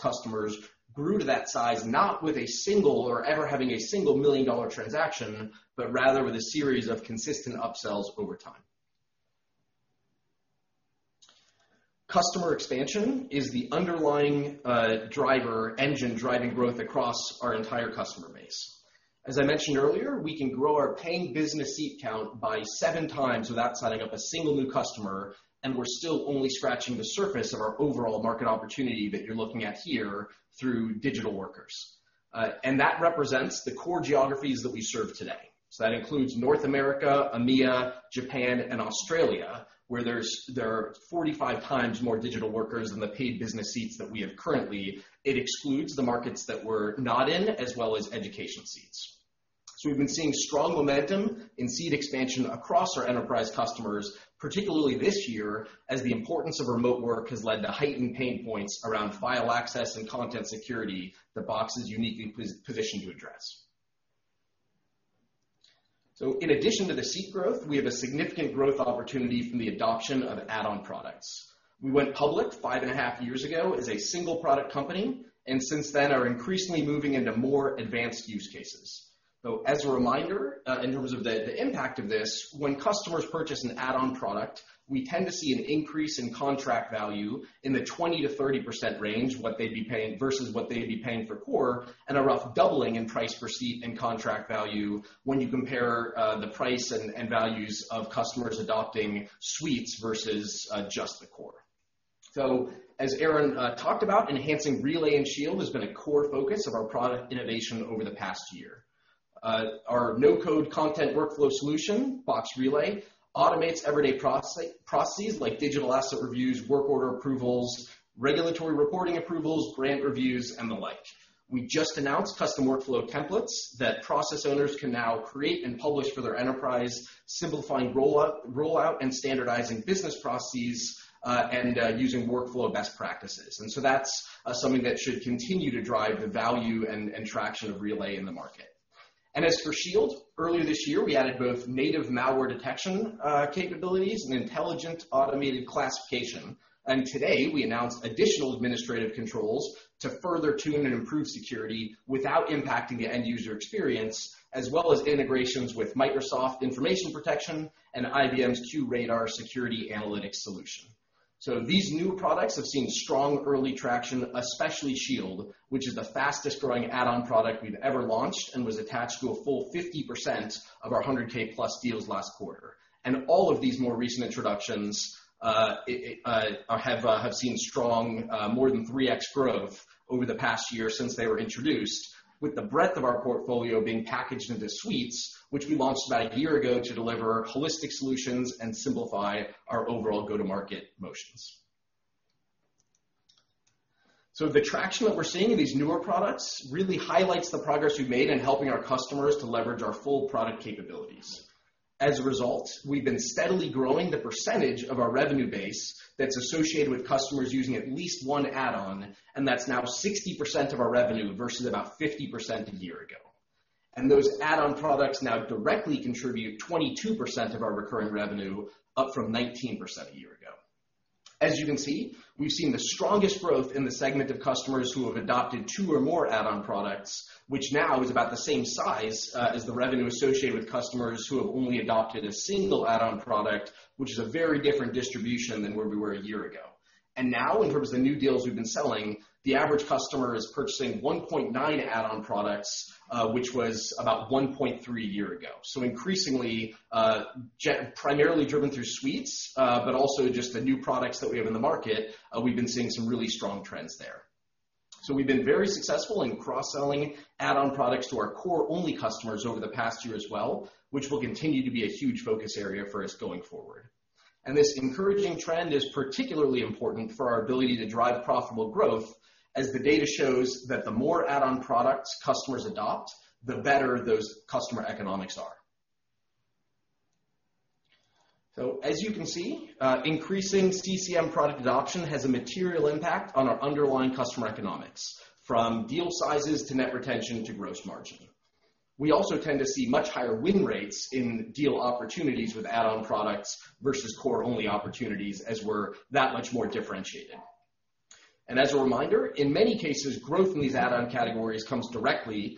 customers grew to that size, not with a single or ever having a single million-dollar transaction, but rather with a series of consistent upsells over time. Customer expansion is the underlying driver, engine driving growth across our entire customer base. As I mentioned earlier, we can grow our paying business seat count by 7x without signing up a single new customer, and we're still only scratching the surface of our overall market opportunity that you're looking at here through digital workers. That represents the core geographies that we serve today. That includes North America, EMEA, Japan, and Australia, where there are 45x more digital workers than the paid business seats that we have currently. It excludes the markets that we're not in, as well as education seats. We've been seeing strong momentum in seat expansion across our enterprise customers, particularly this year, as the importance of remote work has led to heightened pain points around file access and content security that Box is uniquely positioned to address. In addition to the seat growth, we have a significant growth opportunity from the adoption of add-on products. We went public 5.5 years ago as a single-product company, and since then are increasingly moving into more advanced use cases. As a reminder, in terms of the impact of this, when customers purchase an add-on product, we tend to see an increase in contract value in the 20%-30% range, what they'd be paying versus what they'd be paying for core, and a rough doubling in price per seat and contract value when you compare the price and values of customers adopting suites versus just the core. As Aaron talked about, enhancing Relay and Shield has been a core focus of our product innovation over the past year. Our no-code content workflow solution, Box Relay, automates everyday processes like digital asset reviews, work order approvals, regulatory reporting approvals, grant reviews, and the like. We just announced custom workflow templates that process owners can now create and publish for their enterprise, simplifying rollout and standardizing business processes and using workflow best practices. That's something that should continue to drive the value and traction of Relay in the market. As for Shield, earlier this year, we added both native malware detection capabilities and intelligent automated classification. Today, we announced additional administrative controls to further tune and improve security without impacting the end-user experience, as well as integrations with Microsoft Information Protection and IBM's QRadar security analytics solution. These new products have seen strong early traction, especially Shield, which is the fastest-growing add-on product we've ever launched and was attached to a full 50% of our 100,000+ deals last quarter. All of these more recent introductions have seen strong more than 3x growth over the past year since they were introduced, with the breadth of our portfolio being packaged into suites, which we launched about a year ago to deliver holistic solutions and simplify our overall go-to-market motions. The traction that we're seeing in these newer products really highlights the progress we've made in helping our customers to leverage our full product capabilities. As a result, we've been steadily growing the percentage of our revenue base that's associated with customers using at least one add-on, and that's now 60% of our revenue versus about 50% a year ago. Those add-on products now directly contribute 22% of our recurring revenue, up from 19% a year ago. As you can see, we've seen the strongest growth in the segment of customers who have adopted two or more add-on products, which now is about the same size as the revenue associated with customers who have only adopted a single add-on product, which is a very different distribution than where we were a year ago. Now, in terms of the new deals we've been selling, the average customer is purchasing 1.9 add-on products, which was about 1.3 a year ago. Increasingly, primarily driven through suites, but also just the new products that we have in the market, we've been seeing some really strong trends there. We've been very successful in cross-selling add-on products to our core-only customers over the past year as well, which will continue to be a huge focus area for us going forward. This encouraging trend is particularly important for our ability to drive profitable growth, as the data shows that the more add-on products customers adopt, the better those customer economics are. As you can see, increasing CCM product adoption has a material impact on our underlying customer economics, from deal sizes to net retention to gross margin. We also tend to see much higher win rates in deal opportunities with add-on products versus core-only opportunities as we're that much more differentiated. As a reminder, in many cases, growth in these add-on categories comes directly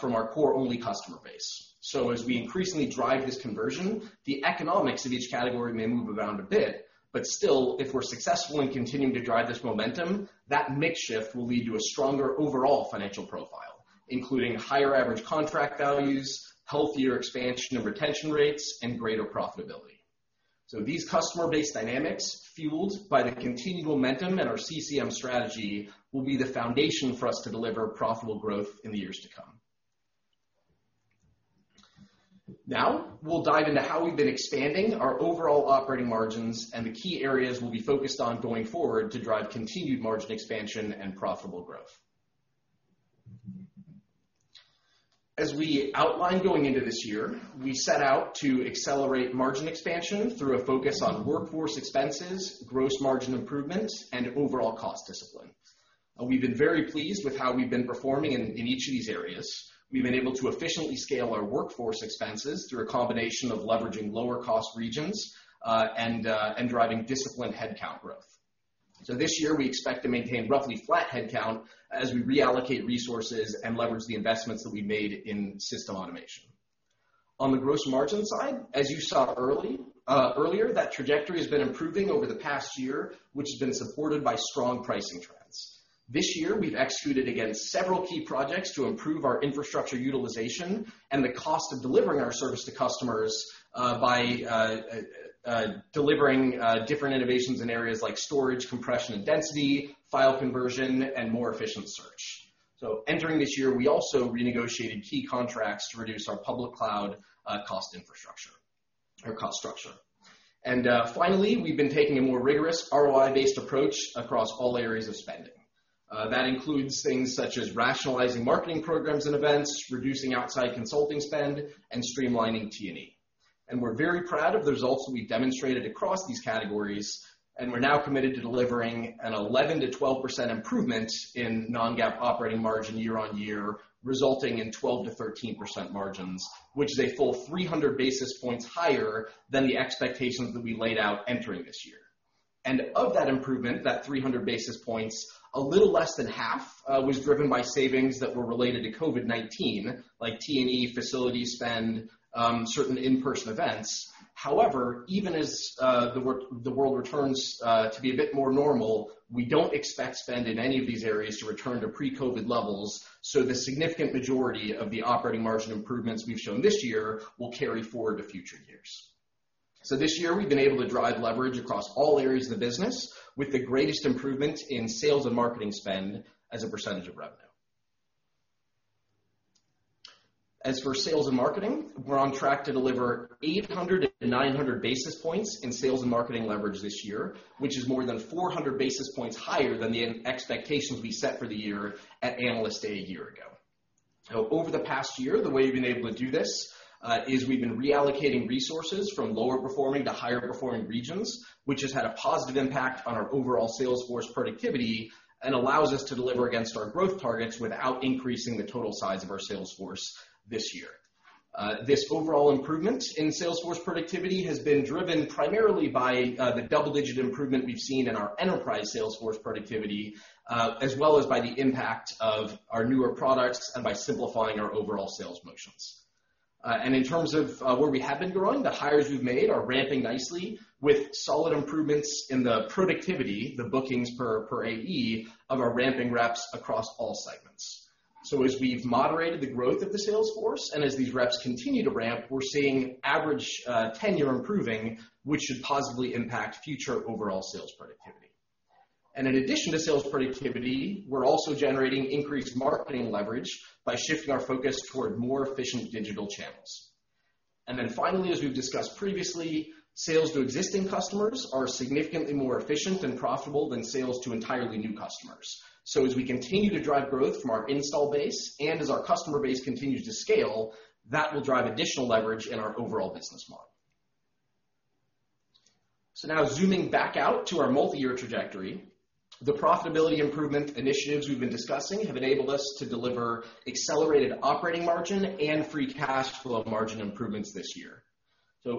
from our core-only customer base. As we increasingly drive this conversion, the economics of each category may move around a bit, but still, if we're successful in continuing to drive this momentum, that mix shift will lead to a stronger overall financial profile, including higher average contract values, healthier expansion of retention rates, and greater profitability. These customer-based dynamics, fueled by the continued momentum in our CCM strategy, will be the foundation for us to deliver profitable growth in the years to come. We'll dive into how we've been expanding our overall operating margins and the key areas we'll be focused on going forward to drive continued margin expansion and profitable growth. As we outlined going into this year, we set out to accelerate margin expansion through a focus on workforce expenses, gross margin improvements, and overall cost discipline. We've been very pleased with how we've been performing in each of these areas. We've been able to efficiently scale our workforce expenses through a combination of leveraging lower-cost regions, and driving disciplined headcount growth. This year, we expect to maintain roughly flat headcount as we reallocate resources and leverage the investments that we made in system automation. On the gross margin side, as you saw earlier, that trajectory has been improving over the past year, which has been supported by strong pricing trends. This year, we've executed against several key projects to improve our infrastructure utilization and the cost of delivering our service to customers by delivering different innovations in areas like storage, compression, and density, file conversion, and more efficient search. Entering this year, we also renegotiated key contracts to reduce our public cloud cost structure. Finally, we've been taking a more rigorous ROI-based approach across all areas of spending. That includes things such as rationalizing marketing programs and events, reducing outside consulting spend, and streamlining T&E. We're very proud of the results that we demonstrated across these categories, and we're now committed to delivering an 11%-12% improvement in non-GAAP operating margin year-over-year, resulting in 12%-13% margins, which is a full 300 basis points higher than the expectations that we laid out entering this year. Of that improvement, that 300 basis points, a little less than 1/2 was driven by savings that were related to COVID-19, like T&E, facility spend, certain in-person events. However, even as the world returns to be a bit more normal, we don't expect spend in any of these areas to return to pre-COVID levels, so the significant majority of the operating margin improvements we've shown this year will carry forward to future years. This year, we've been able to drive leverage across all areas of the business, with the greatest improvement in sales and marketing spend as a percentage of revenue. As for sales and marketing, we're on track to deliver 800-900 basis points in sales and marketing leverage this year, which is more than 400 basis points higher than the expectations we set for the year at Analyst Day a year ago. Over the past year, the way we've been able to do this, is we've been reallocating resources from lower-performing to higher-performing regions, which has had a positive impact on our overall sales force productivity and allows us to deliver against our growth targets without increasing the total size of our sales force this year. This overall improvement in sales force productivity has been driven primarily by the double-digit improvement we've seen in our enterprise sales force productivity, as well as by the impact of our newer products and by simplifying our overall sales motions. In terms of where we have been growing, the hires we've made are ramping nicely with solid improvements in the productivity, the bookings per AE, of our ramping reps across all segments. As we've moderated the growth of the sales force and as these reps continue to ramp, we're seeing average tenure improving, which should positively impact future overall sales productivity. In addition to sales productivity, we're also generating increased marketing leverage by shifting our focus toward more efficient digital channels. Finally, as we've discussed previously, sales to existing customers are significantly more efficient and profitable than sales to entirely new customers. As we continue to drive growth from our install base, and as our customer base continues to scale, that will drive additional leverage in our overall business model. Now zooming back out to our multi-year trajectory, the profitability improvement initiatives we've been discussing have enabled us to deliver accelerated operating margin and free cash flow margin improvements this year.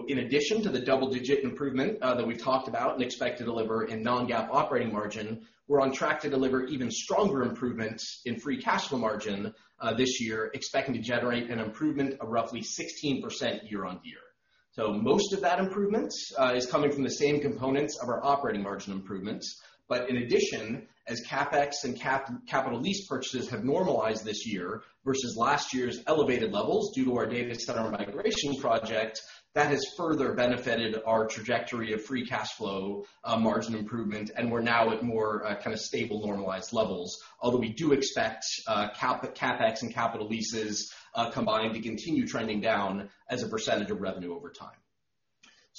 In addition to the double-digit improvement that we've talked about and expect to deliver in non-GAAP operating margin, we're on track to deliver even stronger improvements in free cash flow margin this year, expecting to generate an improvement of roughly 16% year-over-year. Most of that improvement is coming from the same components of our operating margin improvements, but in addition, as CapEx and capital lease purchases have normalized this year versus last year's elevated levels due to our data center migration project, that has further benefited our trajectory of free cash flow margin improvement, and we're now at more kind of stable, normalized levels. Although we do expect CapEx and capital leases combined to continue trending down as a percentage of revenue over time.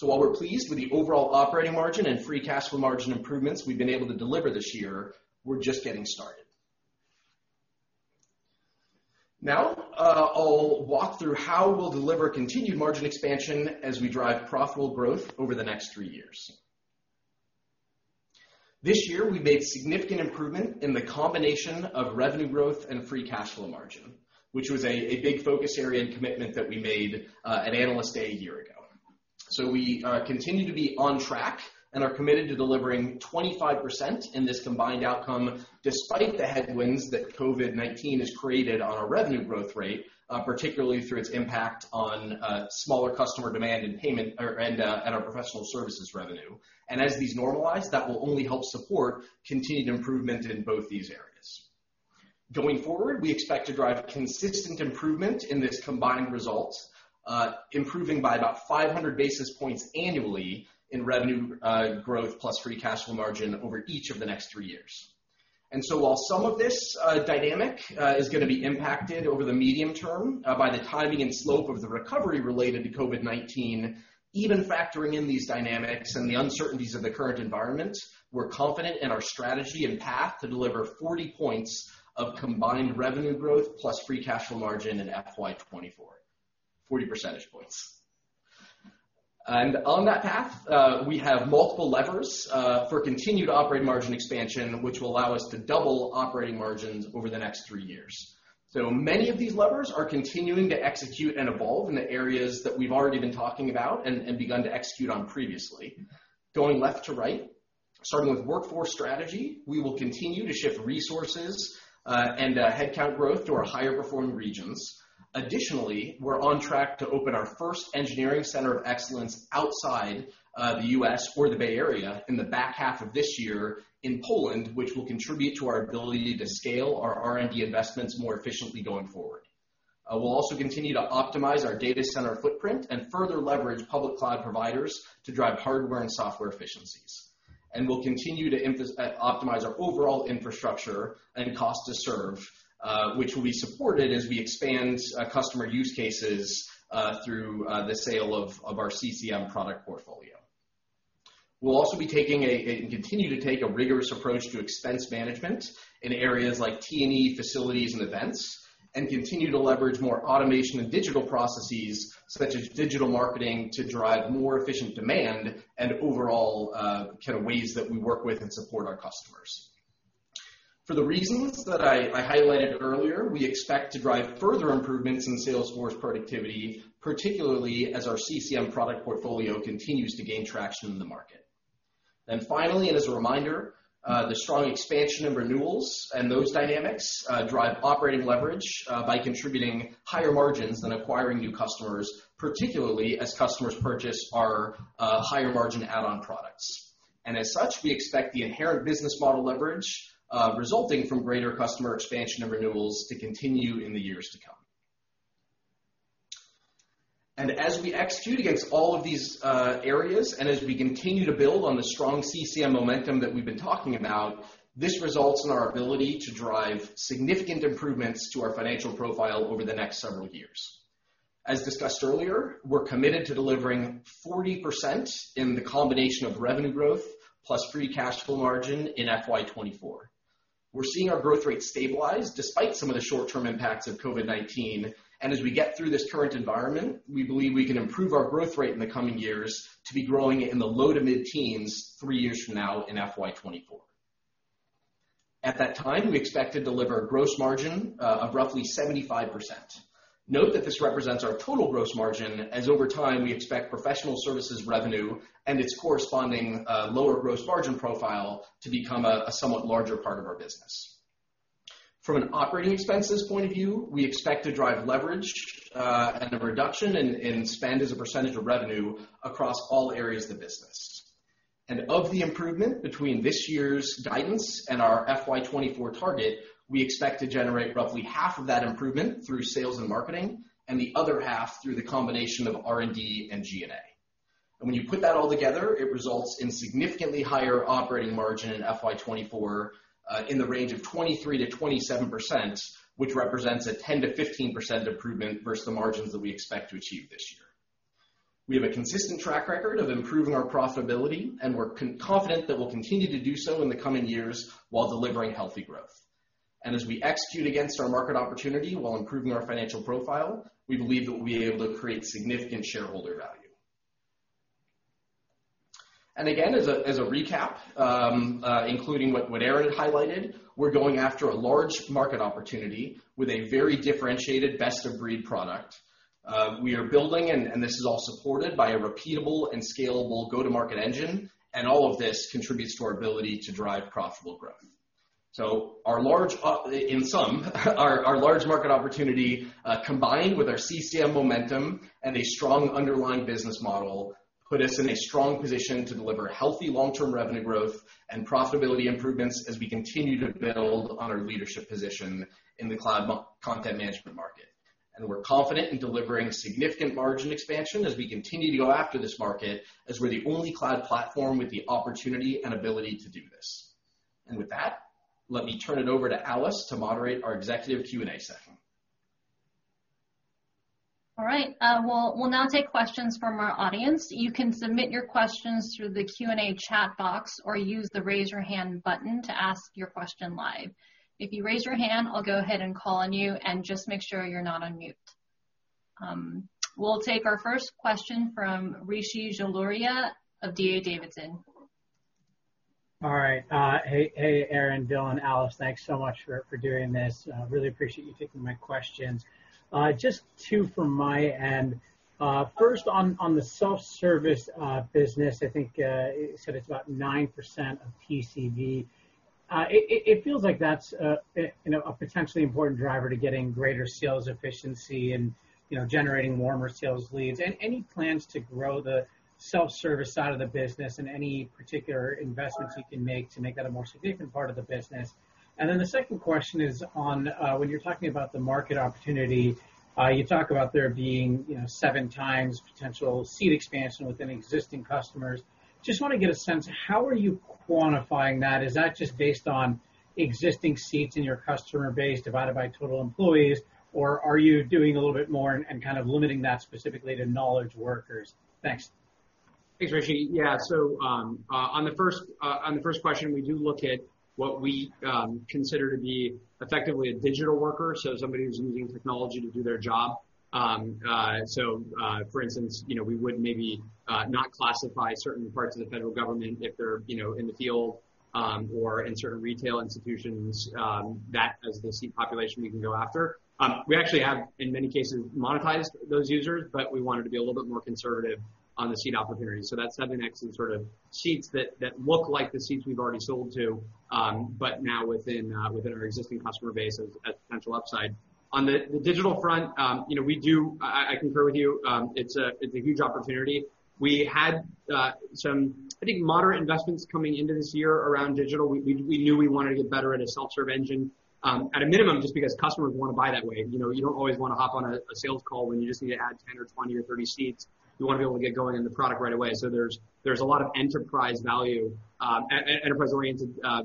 While we're pleased with the overall operating margin and free cash flow margin improvements we've been able to deliver this year, we're just getting started. Now, I'll walk through how we'll deliver continued margin expansion as we drive profitable growth over the next three years. This year, we made significant improvement in the combination of revenue growth and free cash flow margin, which was a big focus area and commitment that we made at Analyst Day a year ago. We continue to be on track and are committed to delivering 25% in this combined outcome, despite the headwinds that COVID-19 has created on our revenue growth rate, particularly through its impact on smaller customer demand and our professional services revenue. As these normalize, that will only help support continued improvement in both these areas. Going forward, we expect to drive consistent improvement in this combined result, improving by about 500 basis points annually in revenue growth plus free cash flow margin over each of the next three years. While some of this dynamic is going to be impacted over the medium term by the timing and slope of the recovery related to COVID-19, even factoring in these dynamics and the uncertainties of the current environment, we're confident in our strategy and path to deliver 40 points of combined revenue growth plus free cash flow margin in FY 2024, 40 percentage points. On that path, we have multiple levers for continued operating margin expansion, which will allow us to double operating margins over the next three years. Many of these levers are continuing to execute and evolve in the areas that we've already been talking about and begun to execute on previously. Going left to right, starting with workforce strategy, we will continue to shift resources, and headcount growth to our higher performing regions. Additionally, we're on track to open our first engineering center of excellence outside the U.S. or the Bay Area in the back half of this year in Poland, which will contribute to our ability to scale our R&D investments more efficiently going forward. We'll also continue to optimize our data center footprint and further leverage public cloud providers to drive hardware and software efficiencies. We'll continue to optimize our overall infrastructure and cost to serve, which will be supported as we expand customer use cases through the sale of our CCM product portfolio. We'll also be taking and continue to take a rigorous approach to expense management in areas like T&E, facilities, and events, and continue to leverage more automation and digital processes, such as digital marketing to drive more efficient demand and overall ways that we work with and support our customers. For the reasons that I highlighted earlier, we expect to drive further improvements in sales force productivity, particularly as our CCM product portfolio continues to gain traction in the market. Finally, and as a reminder, the strong expansion of renewals and those dynamics drive operating leverage by contributing higher margins than acquiring new customers, particularly as customers purchase our higher margin add-on products. As such, we expect the inherent business model leverage resulting from greater customer expansion and renewals to continue in the years to come. As we execute against all of these areas, and as we continue to build on the strong CCM momentum that we've been talking about, this results in our ability to drive significant improvements to our financial profile over the next several years. As discussed earlier, we're committed to delivering 40% in the combination of revenue growth plus free cash flow margin in FY 2024. We're seeing our growth rate stabilize despite some of the short-term impacts of COVID-19. As we get through this current environment, we believe we can improve our growth rate in the coming years to be growing in the low to mid-10s three years from now in FY 2024. At that time, we expect to deliver a gross margin of roughly 75%. Note that this represents our total gross margin, as over time we expect professional services revenue and its corresponding lower gross margin profile to become a somewhat larger part of our business. From an operating expenses point of view, we expect to drive leverage, and a reduction in spend as a percentage of revenue across all areas of the business. Of the improvement between this year's guidance and our FY 2024 target, we expect to generate roughly 1/2 of that improvement through sales and marketing and the other 1/2 through the combination of R&D and G&A. When you put that all together, it results in significantly higher operating margin in FY 2024, in the range of 23%-27%, which represents a 10%-15% improvement versus the margins that we expect to achieve this year. We have a consistent track record of improving our profitability, we're confident that we'll continue to do so in the coming years while delivering healthy growth. As we execute against our market opportunity while improving our financial profile, we believe that we'll be able to create significant shareholder value. Again, as a recap, including what Aaron had highlighted, we're going after a large market opportunity with a very differentiated best-of-breed product. We are building, and this is all supported by a repeatable and scalable go-to-market engine, and all of this contributes to our ability to drive profitable growth. In sum, our large market opportunity, combined with our CCM momentum and a strong underlying business model, put us in a strong position to deliver healthy long-term revenue growth and profitability improvements as we continue to build on our leadership position in the cloud content management market. We're confident in delivering significant margin expansion as we continue to go after this market, as we're the only cloud platform with the opportunity and ability to do this. With that, let me turn it over to Alice to moderate our executive Q&A session. All right. We'll now take questions from our audience. You can submit your questions through the Q&A chat box or use the raise your hand button to ask your question live. If you raise your hand, I'll go ahead and call on you, and just make sure you're not on mute. We'll take our first question from Rishi Jaluria of D.A. Davidson. All right. Hey, Aaron, Dylan, and Alice. Thanks so much for doing this. Really appreciate you taking my questions. Just two from my end. First, on the self-service business, I think you said it's about 9% of [PCV]. It feels like that's a potentially important driver to getting greater sales efficiency and generating warmer sales leads. Any plans to grow the self-service side of the business and any particular investments you can make to make that a more significant part of the business? The second question is on when you're talking about the market opportunity, you talk about there being 7x potential seat expansion within existing customers. Just want to get a sense, how are you quantifying that? Is that just based on existing seats in your customer base divided by total employees, or are you doing a little bit more and kind of limiting that specifically to knowledge workers? Thanks. Thanks, Rishi. Yeah. On the first question, we do look at what we consider to be effectively a digital worker, so somebody who's using technology to do their job. For instance, we would maybe not classify certain parts of the federal government if they're in the field or in certain retail institutions, that as the seat population we can go after. We actually have, in many cases, monetized those users, but we wanted to be a little bit more conservative on the seat opportunity. That 7x is sort of seats that look like the seats we've already sold to, but now within our existing customer base as potential upside. On the digital front, I concur with you, it's a huge opportunity. We had some, I think, moderate investments coming into this year around digital. We knew we wanted to get better at a self-serve engine. At a minimum, just because customers want to buy that way. You don't always want to hop on a sales call when you just need to add 10 or 20 or 30 seats. You want to be able to get going in the product right away. There's a lot of enterprise-oriented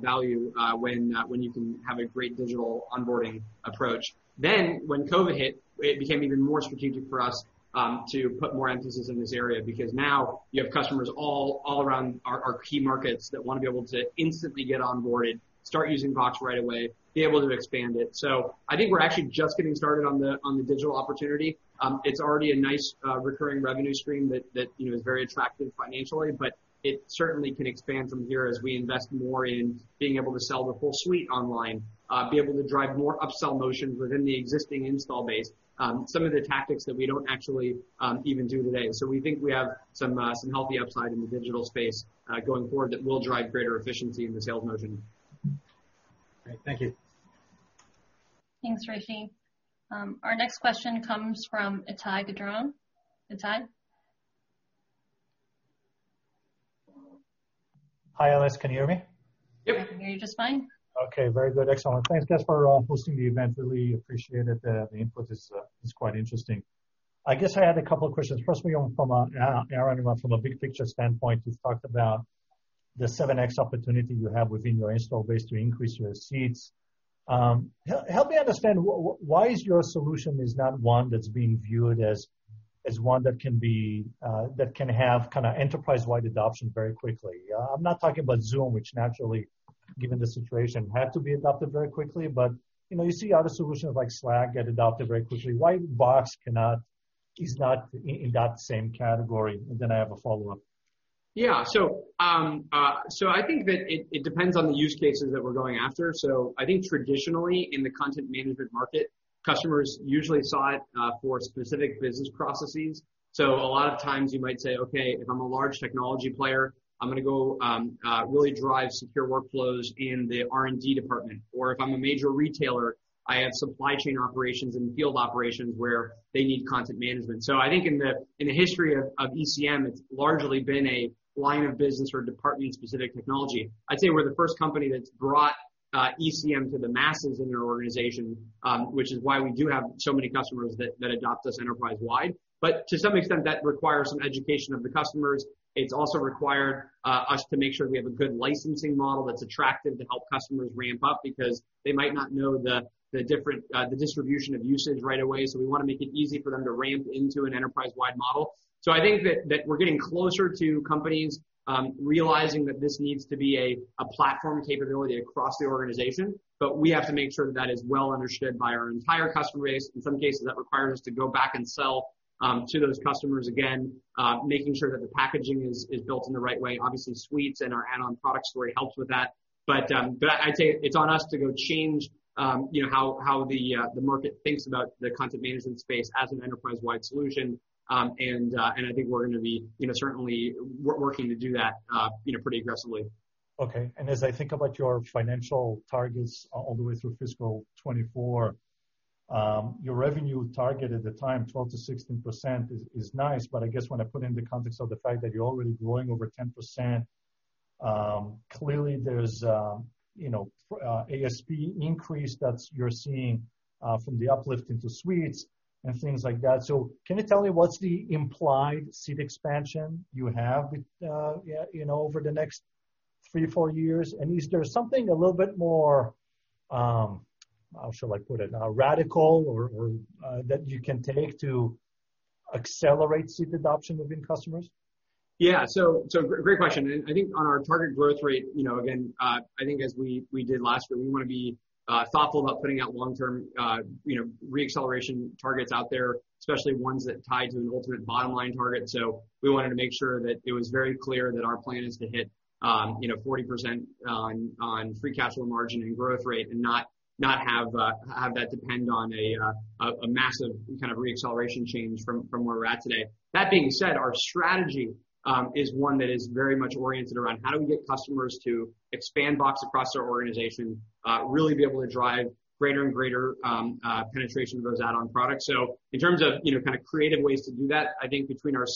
value when you can have a great digital onboarding approach. When COVID hit, it became even more strategic for us to put more emphasis in this area, because now you have customers all around our key markets that want to be able to instantly get onboarded, start using Box right away, be able to expand it. I think we're actually just getting started on the digital opportunity. It's already a nice recurring revenue stream that is very attractive financially. It certainly can expand from here as we invest more in being able to sell the full suite online, be able to drive more upsell motions within the existing install base. Some of the tactics that we don't actually even do today. We think we have some healthy upside in the digital space going forward that will drive greater efficiency in the sales motion. Great. Thank you. Thanks, Rishi. Our next question comes from Ittai Kidron. Ittai? Hi, Alice. Can you hear me? Yep. I can hear you just fine. Okay. Very good. Excellent. Thanks, guys, for hosting the event. Really appreciate it. The input is quite interesting. I guess I had a couple of questions. Firstly, Aaron, from a big picture standpoint, you've talked about the 7x opportunity you have within your install base to increase your seats. Help me understand, why is your solution is not one that's being viewed as one that can have enterprise-wide adoption very quickly? I'm not talking about Zoom, which naturally, given the situation, had to be adopted very quickly, but you see how the solutions like Slack get adopted very quickly. Why Box is not in that same category? Then I have a follow-up. Yeah. I think that it depends on the use cases that we're going after. I think traditionally in the content management market, customers usually saw it for specific business processes. A lot of times you might say, "Okay, if I'm a large technology player, I'm going to go really drive secure workflows in the R&D department." If I'm a major retailer, I have supply chain operations and field operations where they need content management. I think in the history of ECM, it's largely been a line of business or department-specific technology. I'd say we're the first company that's brought ECM to the masses in their organization, which is why we do have so many customers that adopt us enterprise-wide. To some extent, that requires some education of the customers. It's also required us to make sure we have a good licensing model that's attractive to help customers ramp up, because they might not know the distribution of usage right away. We want to make it easy for them to ramp into an enterprise-wide model. I think that we're getting closer to companies realizing that this needs to be a platform capability across the organization, but we have to make sure that is well understood by our entire customer base. In some cases, that requires us to go back and sell to those customers again, making sure that the packaging is built in the right way. Obviously, suites and our add-on product story helps with that. I'd say it's on us to go change how the market thinks about the content management space as an enterprise-wide solution, and I think we're going to be certainly working to do that pretty aggressively. Okay. As I think about your financial targets all the way through fiscal 2024, your revenue target at the time, 12%-16%, is nice. I guess when I put it in the context of the fact that you're already growing over 10%, clearly there's ASP increase that you're seeing from the uplift into suites and things like that. Can you tell me what's the implied seat expansion you have over the next three to four years? Is there something a little bit more, how shall I put it, radical, that you can take to accelerate seat adoption within customers? Yeah. Great question, and I think on our target growth rate, again, I think as we did last year, we want to be thoughtful about putting out long-term re-acceleration targets out there, especially ones that tie to an ultimate bottom-line target. We wanted to make sure that it was very clear that our plan is to hit 40% on free cash flow margin and growth rate and not have that depend on a massive kind of re-acceleration change from where we're at today. That being said, our strategy is one that is very much oriented around how do we get customers to expand Box across their organization, really be able to drive greater and greater penetration of those add-on products. In terms of creative ways to do that, I think between our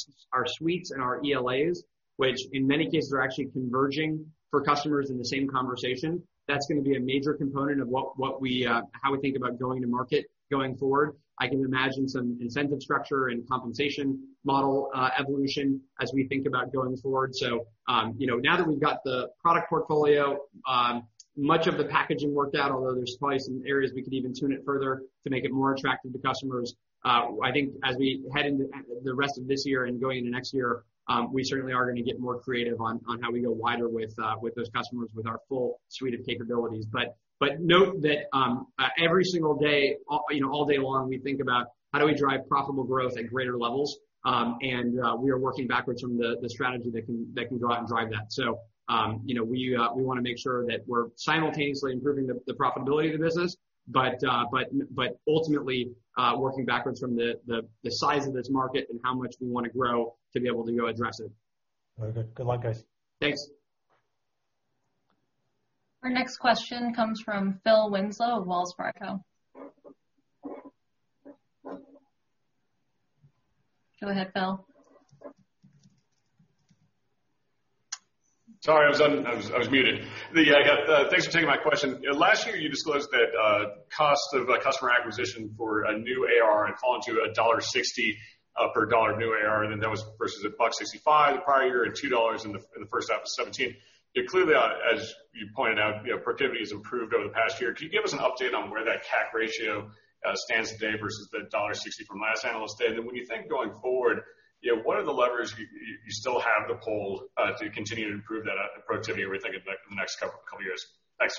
suites and our ELAs, which in many cases are actually converging for customers in the same conversation, that's going to be a major component of how we think about going to market going forward. I can imagine some incentive structure and compensation model evolution as we think about going forward. Now that we've got the product portfolio, much of the packaging worked out, although there's probably some areas we could even tune it further to make it more attractive to customers. I think as we head into the rest of this year and going into next year, we certainly are going to get more creative on how we go wider with those customers with our full suite of capabilities. Note that every single day, all day long, we think about how do we drive profitable growth at greater levels, and we are working backwards from the strategy that can go out and drive that. We want to make sure that we're simultaneously improving the profitability of the business, but ultimately working backwards from the size of this market and how much we want to grow to be able to go address it. Very good. Good luck, guys. Thanks. Our next question comes from Phil Winslow of Wells Fargo. Go ahead, Phil. Sorry, I was muted. Thanks for taking my question. Last year, you disclosed that cost of customer acquisition for a new ARR had fallen to $1.60 per dollar new ARR, that was versus $1.65 the prior year and $2 in the first half of 2017. Clearly, as you pointed out, productivity has improved over the past year. Can you give us an update on where that CAC ratio stands today versus the $1.60 from last Analyst Day? When you think going forward, what are the levers you still have to pull to continue to improve that productivity when we think of the next couple of years? Thanks.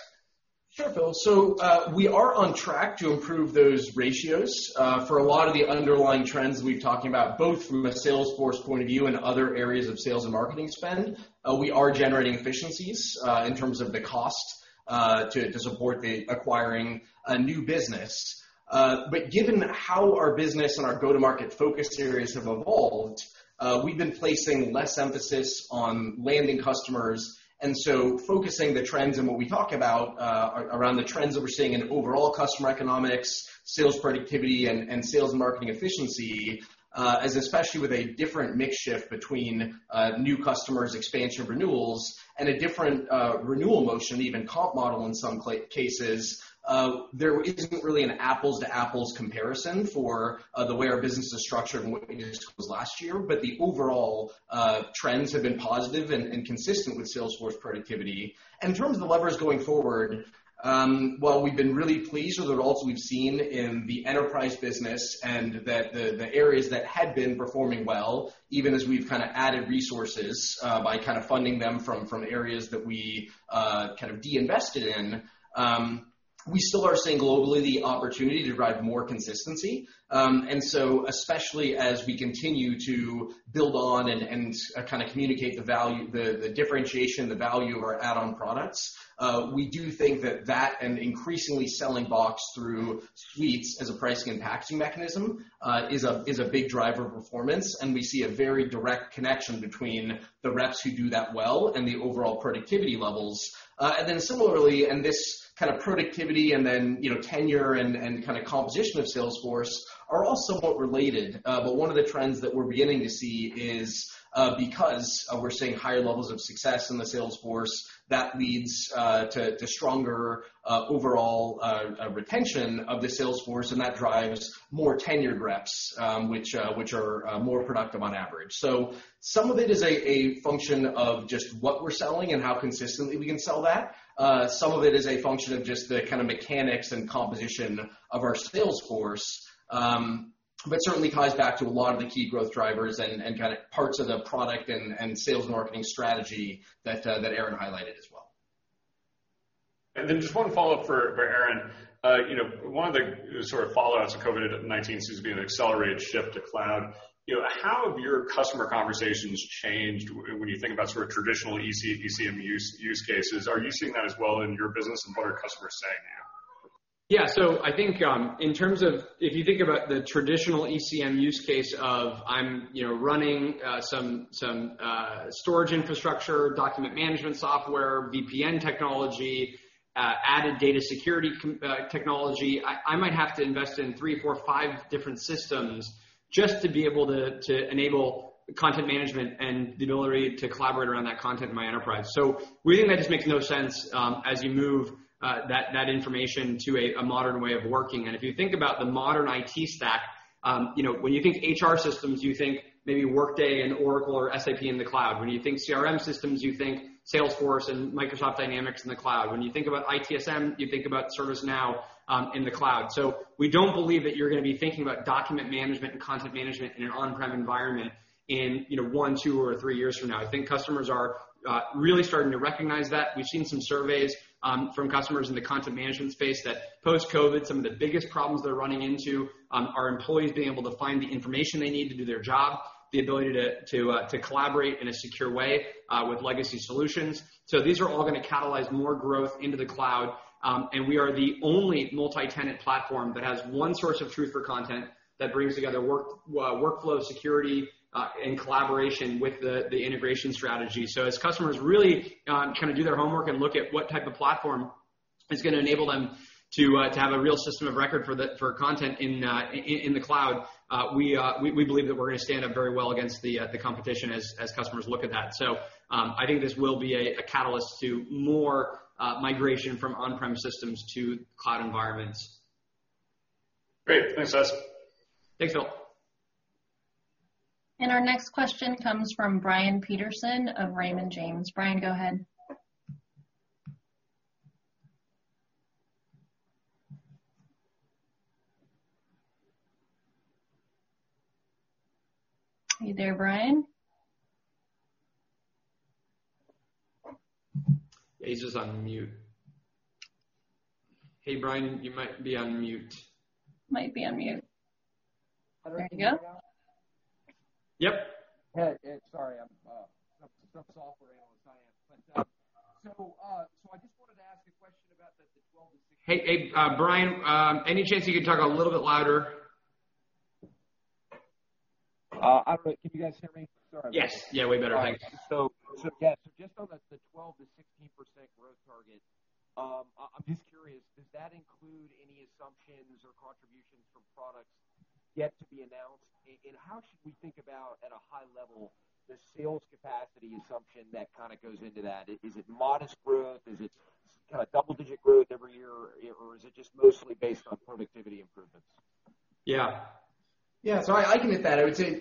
Sure, Phil. We are on track to improve those ratios. For a lot of the underlying trends that we've talked about, both from a Salesforce point of view and other areas of sales and marketing spend, we are generating efficiencies in terms of the cost to support acquiring a new business. Given how our business and our go-to-market focus areas have evolved, we've been placing less emphasis on landing customers. Focusing the trends and what we talk about around the trends that we're seeing in overall customer economics, sales productivity, and sales and marketing efficiency, as especially with a different mix shift between new customers, expansion, renewals, and a different renewal motion, even comp model in some cases, there isn't really an apples-to-apples comparison for the way our business is structured and what it was last year. The overall trends have been positive and consistent with Salesforce productivity. In terms of the levers going forward, while we've been really pleased with the results we've seen in the enterprise business and the areas that had been performing well, even as we've kind of added resources by kind of funding them from areas that we kind of de-invested in. We still are seeing globally the opportunity to drive more consistency. Especially as we continue to build on and communicate the differentiation and the value of our add-on products, we do think that that and increasingly selling Box through suites as a pricing and packaging mechanism, is a big driver of performance. We see a very direct connection between the reps who do that well and the overall productivity levels. Similarly, this kind of productivity and then tenure and kind of composition of sales force are all somewhat related. One of the trends that we're beginning to see is, because we're seeing higher levels of success in the sales force, that leads to stronger overall retention of the sales force, and that drives more tenured reps, which are more productive on average. Some of it is a function of just what we're selling and how consistently we can sell that. Some of it is a function of just the kind of mechanics and composition of our sales force, but certainly ties back to a lot of the key growth drivers and kind of parts of the product and sales marketing strategy that Aaron highlighted as well. Then just one follow-up for Aaron. One of the sort of follow-ons of COVID-19 seems to be an accelerated shift to cloud. How have your customer conversations changed when you think about sort of traditional ECM use cases? Are you seeing that as well in your business and what are customers saying now? Yeah. I think if you think about the traditional ECM use case of I'm running some storage infrastructure, document management software, VPN technology, added data security technology, I might have to invest in three, four, five different systems just to be able to enable content management and the ability to collaborate around that content in my enterprise. We think that just makes no sense as you move that information to a modern way of working. If you think about the modern IT stack, when you think HR systems, you think maybe Workday and Oracle or SAP in the cloud. When you think CRM systems, you think Salesforce and Microsoft Dynamics in the cloud. When you think about ITSM, you think about ServiceNow in the cloud. We don't believe that you're going to be thinking about document management and content management in an on-prem environment in one, two or three years from now. I think customers are really starting to recognize that. We've seen some surveys from customers in the content management space that post-COVID, some of the biggest problems they're running into are employees being able to find the information they need to do their job, the ability to collaborate in a secure way with legacy solutions. These are all going to catalyze more growth into the cloud, and we are the only multi-tenant platform that has one source of truth for content that brings together workflow security in collaboration with the integration strategy. As customers really do their homework and look at what type of platform is going to enable them to have a real system of record for content in the cloud, we believe that we're going to stand up very well against the competition as customers look at that. I think this will be a catalyst to more migration from on-prem systems to cloud environments. Great. Thanks, guys. Thanks, Phil. Our next question comes from Brian Peterson of Raymond James. Brian, go ahead. Are you there, Brian? He's just on mute. Hey, Brian, you might be on mute. Might be on mute. There you go. Yep. Hey, sorry. I'm a software analyst. I am. I just wanted to ask a question about the 12-16. Hey, Brian, any chance you could talk a little bit louder? Can you guys hear me? Sorry. Yes. Yeah, way better. Thanks. Yeah. Just on the 12%-16% growth target, I'm just curious, does that include any assumptions or contributions from products yet to be announced? How should we think about, at a high level, the sales capacity assumption that kind of goes into that? Is it modest growth? Is it double-digit growth every year, or is it just mostly based on productivity improvements? Yeah. I can hit that. I would say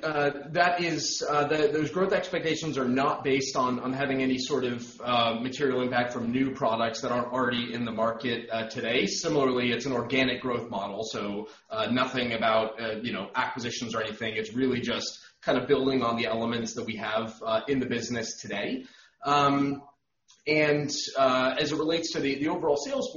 those growth expectations are not based on having any sort of material impact from new products that aren't already in the market today. Similarly, it's an organic growth model, nothing about acquisitions or anything. It's really just kind of building on the elements that we have in the business today. As it relates to the overall sales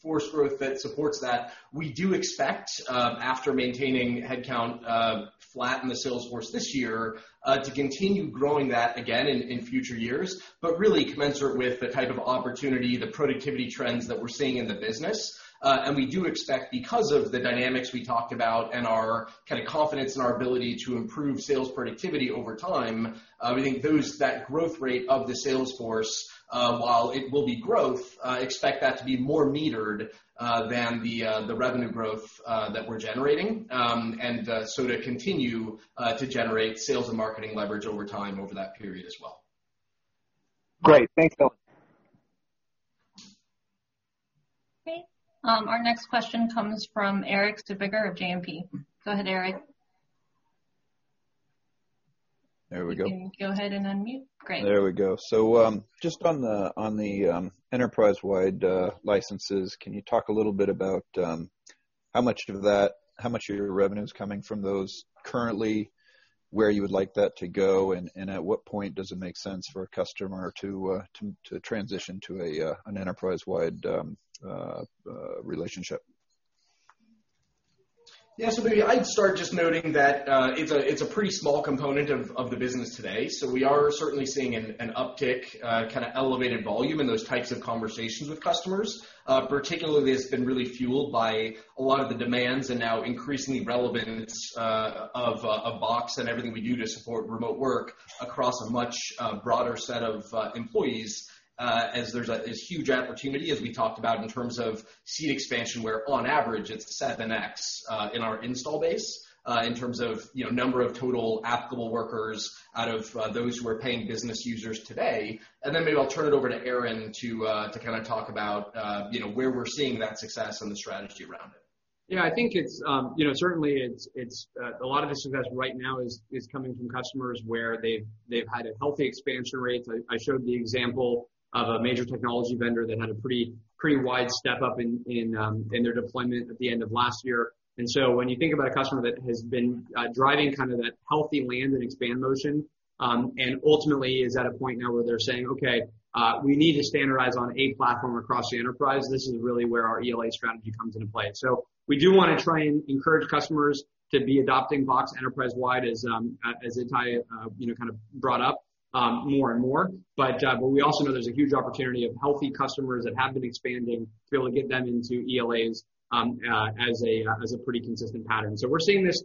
force growth that supports that, we do expect, after maintaining headcount flat in the sales force this year, to continue growing that again in future years, but really commensurate with the type of opportunity, the productivity trends that we're seeing in the business. We do expect because of the dynamics we talked about and our kind of confidence in our ability to improve sales productivity over time, we think that growth rate of the sales force, while it will be growth, expect that to be more metered than the revenue growth that we're generating. To continue to generate sales and marketing leverage over time over that period as well. Great. Thanks, Dylan. Okay. Our next question comes from Erik Suppiger of JMP. Go ahead, Erik. There we go. You can go ahead and unmute. Great. There we go. Just on the enterprise-wide licenses, can you talk a little bit about how much of your revenue is coming from those currently, where you would like that to go, and at what point does it make sense for a customer to transition to an enterprise-wide relationship? Maybe I'd start just noting that it's a pretty small component of the business today. We are certainly seeing an uptick, kind of elevated volume in those types of conversations with customers. Particularly, it's been really fueled by a lot of the demands and now increasingly relevance of Box and everything we do to support remote work across a much broader set of employees, as there's this huge opportunity, as we talked about, in terms of seat expansion, where on average, it's 7x in our install base, in terms of number of total applicable workers out of those who are paying business users today. Then maybe I'll turn it over to Aaron to talk about where we're seeing that success and the strategy around it. I think certainly a lot of the success right now is coming from customers where they've had a healthy expansion rate. I showed the example of a major technology vendor that had a pretty wide step-up in their deployment at the end of last year. When you think about a customer that has been driving that healthy land and expand motion and ultimately is at a point now where they're saying, "Okay, we need to standardize on a platform across the enterprise," this is really where our ELA strategy comes into play. We do want to try and encourage customers to be adopting Box enterprise-wide, as Ittai kind of brought up, more and more. We also know there's a huge opportunity of healthy customers that have been expanding to be able to get them into ELAs as a pretty consistent pattern. We're seeing this,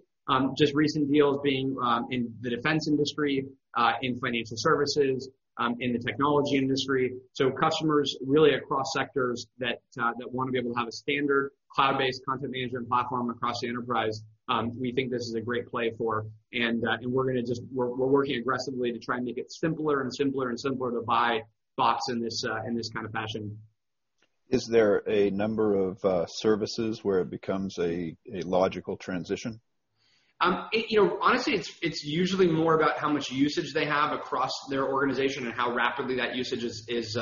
just recent deals being in the defense industry, in financial services, in the technology industry. Customers really across sectors that want to be able to have a standard cloud-based content management platform across the enterprise, we think this is a great play for, and we're working aggressively to try and make it simpler, and simpler, and simpler to buy Box in this kind of fashion. Is there a number of services where it becomes a logical transition? Honestly, it's usually more about how much usage they have across their organization and how rapidly that usage is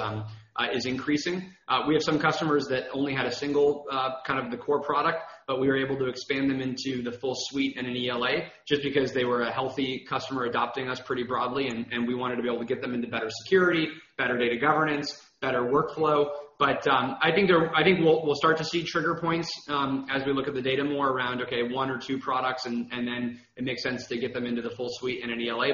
increasing. We have some customers that only had a single core product, we were able to expand them into the full suite and an ELA, just because they were a healthy customer adopting us pretty broadly, and we wanted to be able to get them into better security, better data governance, better workflow. I think we'll start to see trigger points as we look at the data more around, okay, one or two products, and then it makes sense to get them into the full suite and an ELA.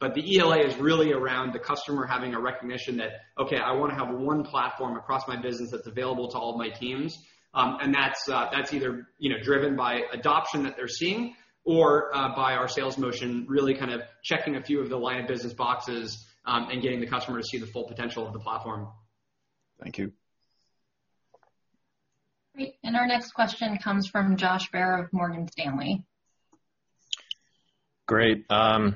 The ELA is really around the customer having a recognition that, okay, I want to have one platform across my business that's available to all of my teams. That's either driven by adoption that they're seeing or by our sales motion, really kind of checking a few of the line of business boxes and getting the customer to see the full potential of the platform. Thank you. Great. Our next question comes from Josh Baer of Morgan Stanley. Great. One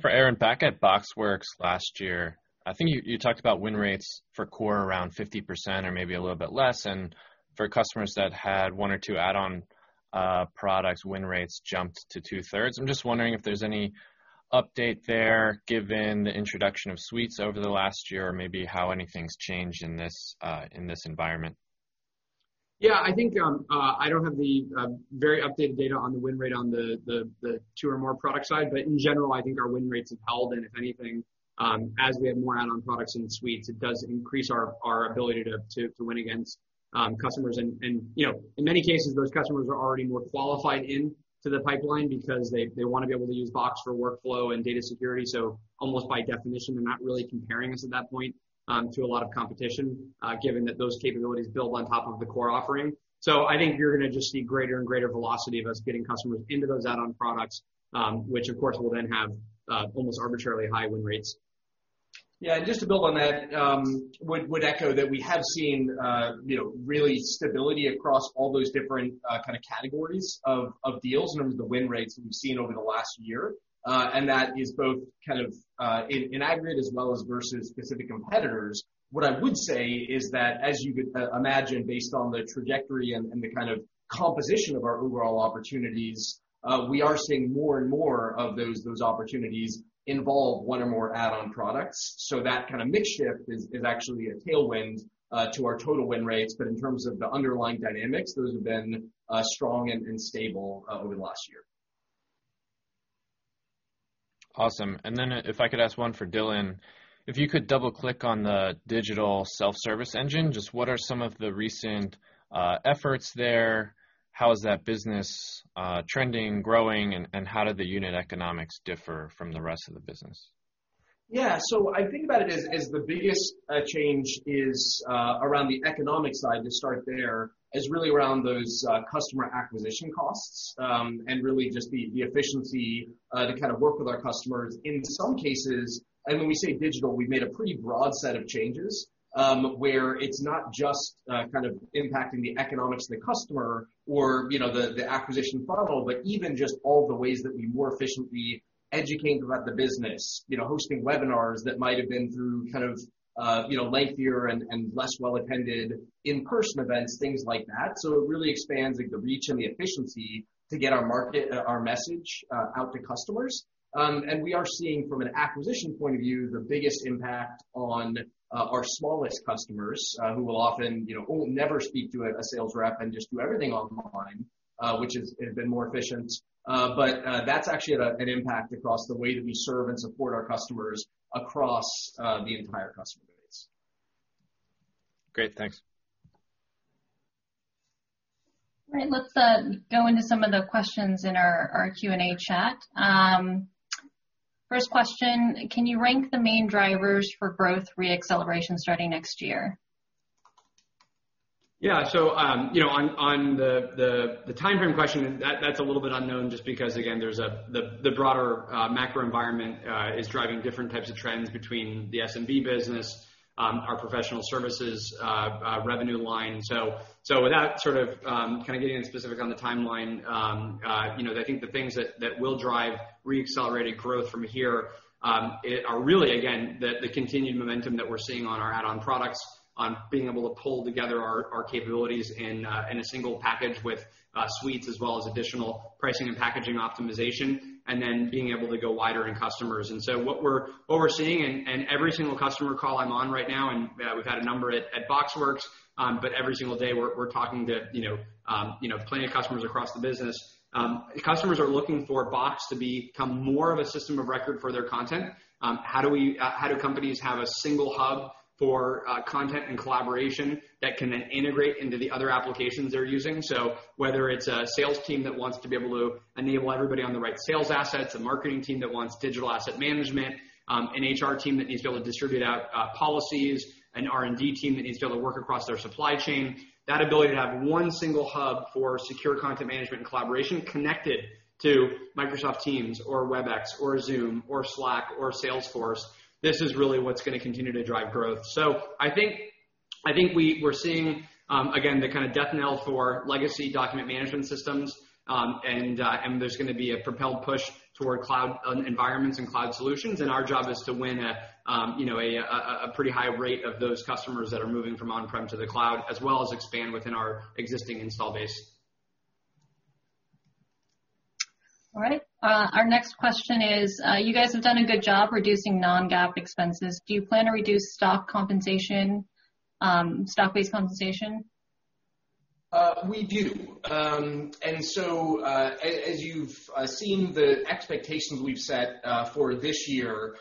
for Aaron. Back at BoxWorks last year, I think you talked about win rates for core around 50% or maybe a little bit less, and for customers that had one or two add-on products, win rates jumped to two-thirds. I'm just wondering if there's any update their given the introduction of suites over the last year, or maybe how anything's changed in this environment. I think I don't have the very updated data on the win rate on the two or more-product side. In general, I think our win rates have held, and if anything, as we have more add-on products in suites, it does increase our ability to win against customers. In many cases, those customers are already more qualified into the pipeline because they want to be able to use Box for workflow and data security. Almost by definition, they're not really comparing us at that point to a lot of competition, given that those capabilities build on top of the core offering. I think you're going to just see greater and greater velocity of us getting customers into those add-on products, which of course will then have almost arbitrarily high win rates. Yeah, just to build on that, would echo that we have seen really stability across all those different kinds of categories of deals in terms of the win rates that we've seen over the last year. That is both kind of in aggregate as well as versus specific competitors. What I would say is that as you would imagine based on the trajectory and the kind of composition of our overall opportunities, we are seeing more and more of those opportunities involve one or more add-on products. That kind of mix shift is actually a tailwind to our total win rates, but in terms of the underlying dynamics, those have been strong and stable over the last year. Awesome. If I could ask one for Dylan, if you could double-click on the digital self-service engine, just what are some of the recent efforts there? How is that business trending, growing, and how do the unit economics differ from the rest of the business? I think about it as the biggest change is around the economic side, to start there, is really around those customer acquisition costs, and really just the efficiency to kind of work with our customers. In some cases, when we say digital, we've made a pretty broad set of changes, where it's not just kind of impacting the economics of the customer or the acquisition funnel, but even just all the ways that we more efficiently educate about the business, hosting webinars that might have been through lengthier and less well-attended in-person events, things like that. It really expands the reach and the efficiency to get our message out to customers. We are seeing from an acquisition point of view, the biggest impact on our smallest customers, who will never speak to a sales rep and just do everything online, which has been more efficient. That's actually an impact across the way that we serve and support our customers across the entire customer base. Great. Thanks. All right. Let's go into some of the questions in our Q&A chat. First question, can you rank the main drivers for growth re-acceleration starting next year? On the timeframe question, that's a little bit unknown just because, again, the broader macro environment is driving different types of trends between the SMB business, our professional services revenue line. Without sort of getting into specific on the timeline, I think the things that will drive re-accelerated growth from here are really, again, the continued momentum that we're seeing on our add-on products, on being able to pull together our capabilities in a single package with suites, as well as additional pricing and packaging optimization, and then being able to go wider in customers. What we're seeing in every single customer call I'm on right now, and we've had a number at BoxWorks, but every single day we're talking to plenty of customers across the business. Customers are looking for Box to become more of a system of record for their content. How do companies have a single hub for content and collaboration that can then integrate into the other applications they're using? Whether it's a sales team that wants to be able to enable everybody on the right sales assets, a marketing team that wants digital asset management, an HR team that needs to be able to distribute out policies, an R&D team that needs to be able to work across their supply chain. That ability to have one single hub for secure content management and collaboration connected to Microsoft Teams or Webex or Zoom or Slack or Salesforce, this is really what's going to continue to drive growth. I think we're seeing, again, the kind of death knell for legacy document management systems, and there's going to be a propelled push toward cloud environments and cloud solutions. Our job is to win a pretty high rate of those customers that are moving from on-prem to the cloud, as well as expand within our existing install base. All right. Our next question is, you guys have done a good job reducing non-GAAP expenses. Do you plan to reduce stock compensation, stock-based compensation? We do. As you've seen, the expectations we've set for this year,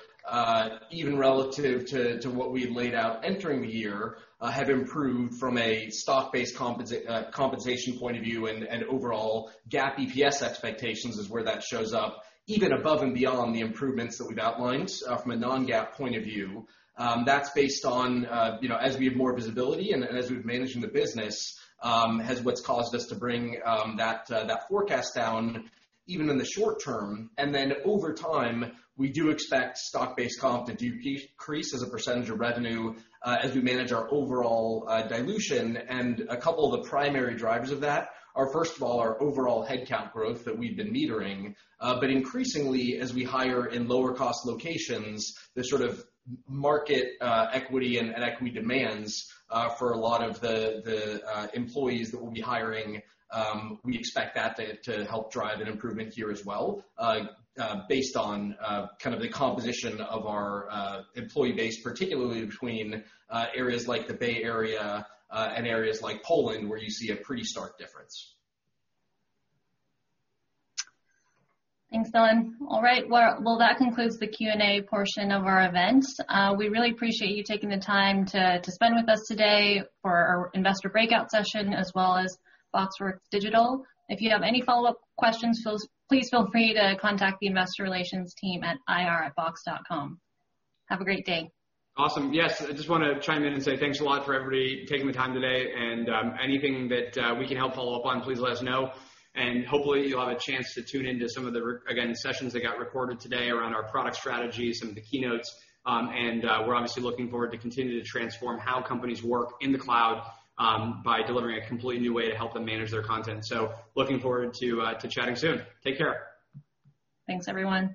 even relative to what we had laid out entering the year, have improved from a stock-based compensation point of view and overall GAAP EPS expectations is where that shows up, even above and beyond the improvements that we've outlined from a non-GAAP point of view. That's based on as we have more visibility and as we've managed the business has what's caused us to bring that forecast down even in the short term. Over time, we do expect stock-based comp to decrease as a percentage of revenue as we manage our overall dilution. A couple of the primary drivers of that are, first of all, our overall headcount growth that we've been metering. Increasingly, as we hire in lower cost locations, the sort of market equity and equity demands for a lot of the employees that we'll be hiring, we expect that to help drive an improvement here as well, based on kind of the composition of our employee base, particularly between areas like the Bay Area and areas like Poland where you see a pretty stark difference. Thanks, Dylan. All right. Well, that concludes the Q&A portion of our event. We really appreciate you taking the time to spend with us today for our investor breakout session, as well as BoxWorks Digital. If you have any follow-up questions, please feel free to contact the investor relations team at ir@box.com. Have a great day. Awesome. Yes. I just want to chime in and say thanks a lot for everybody taking the time today, and anything that we can help follow up on, please let us know. Hopefully you'll have a chance to tune in to some of the, again, sessions that got recorded today around our product strategy, some of the keynotes. We're obviously looking forward to continue to transform how companies work in the cloud by delivering a completely new way to help them manage their content. Looking forward to chatting soon. Take care. Thanks, everyone.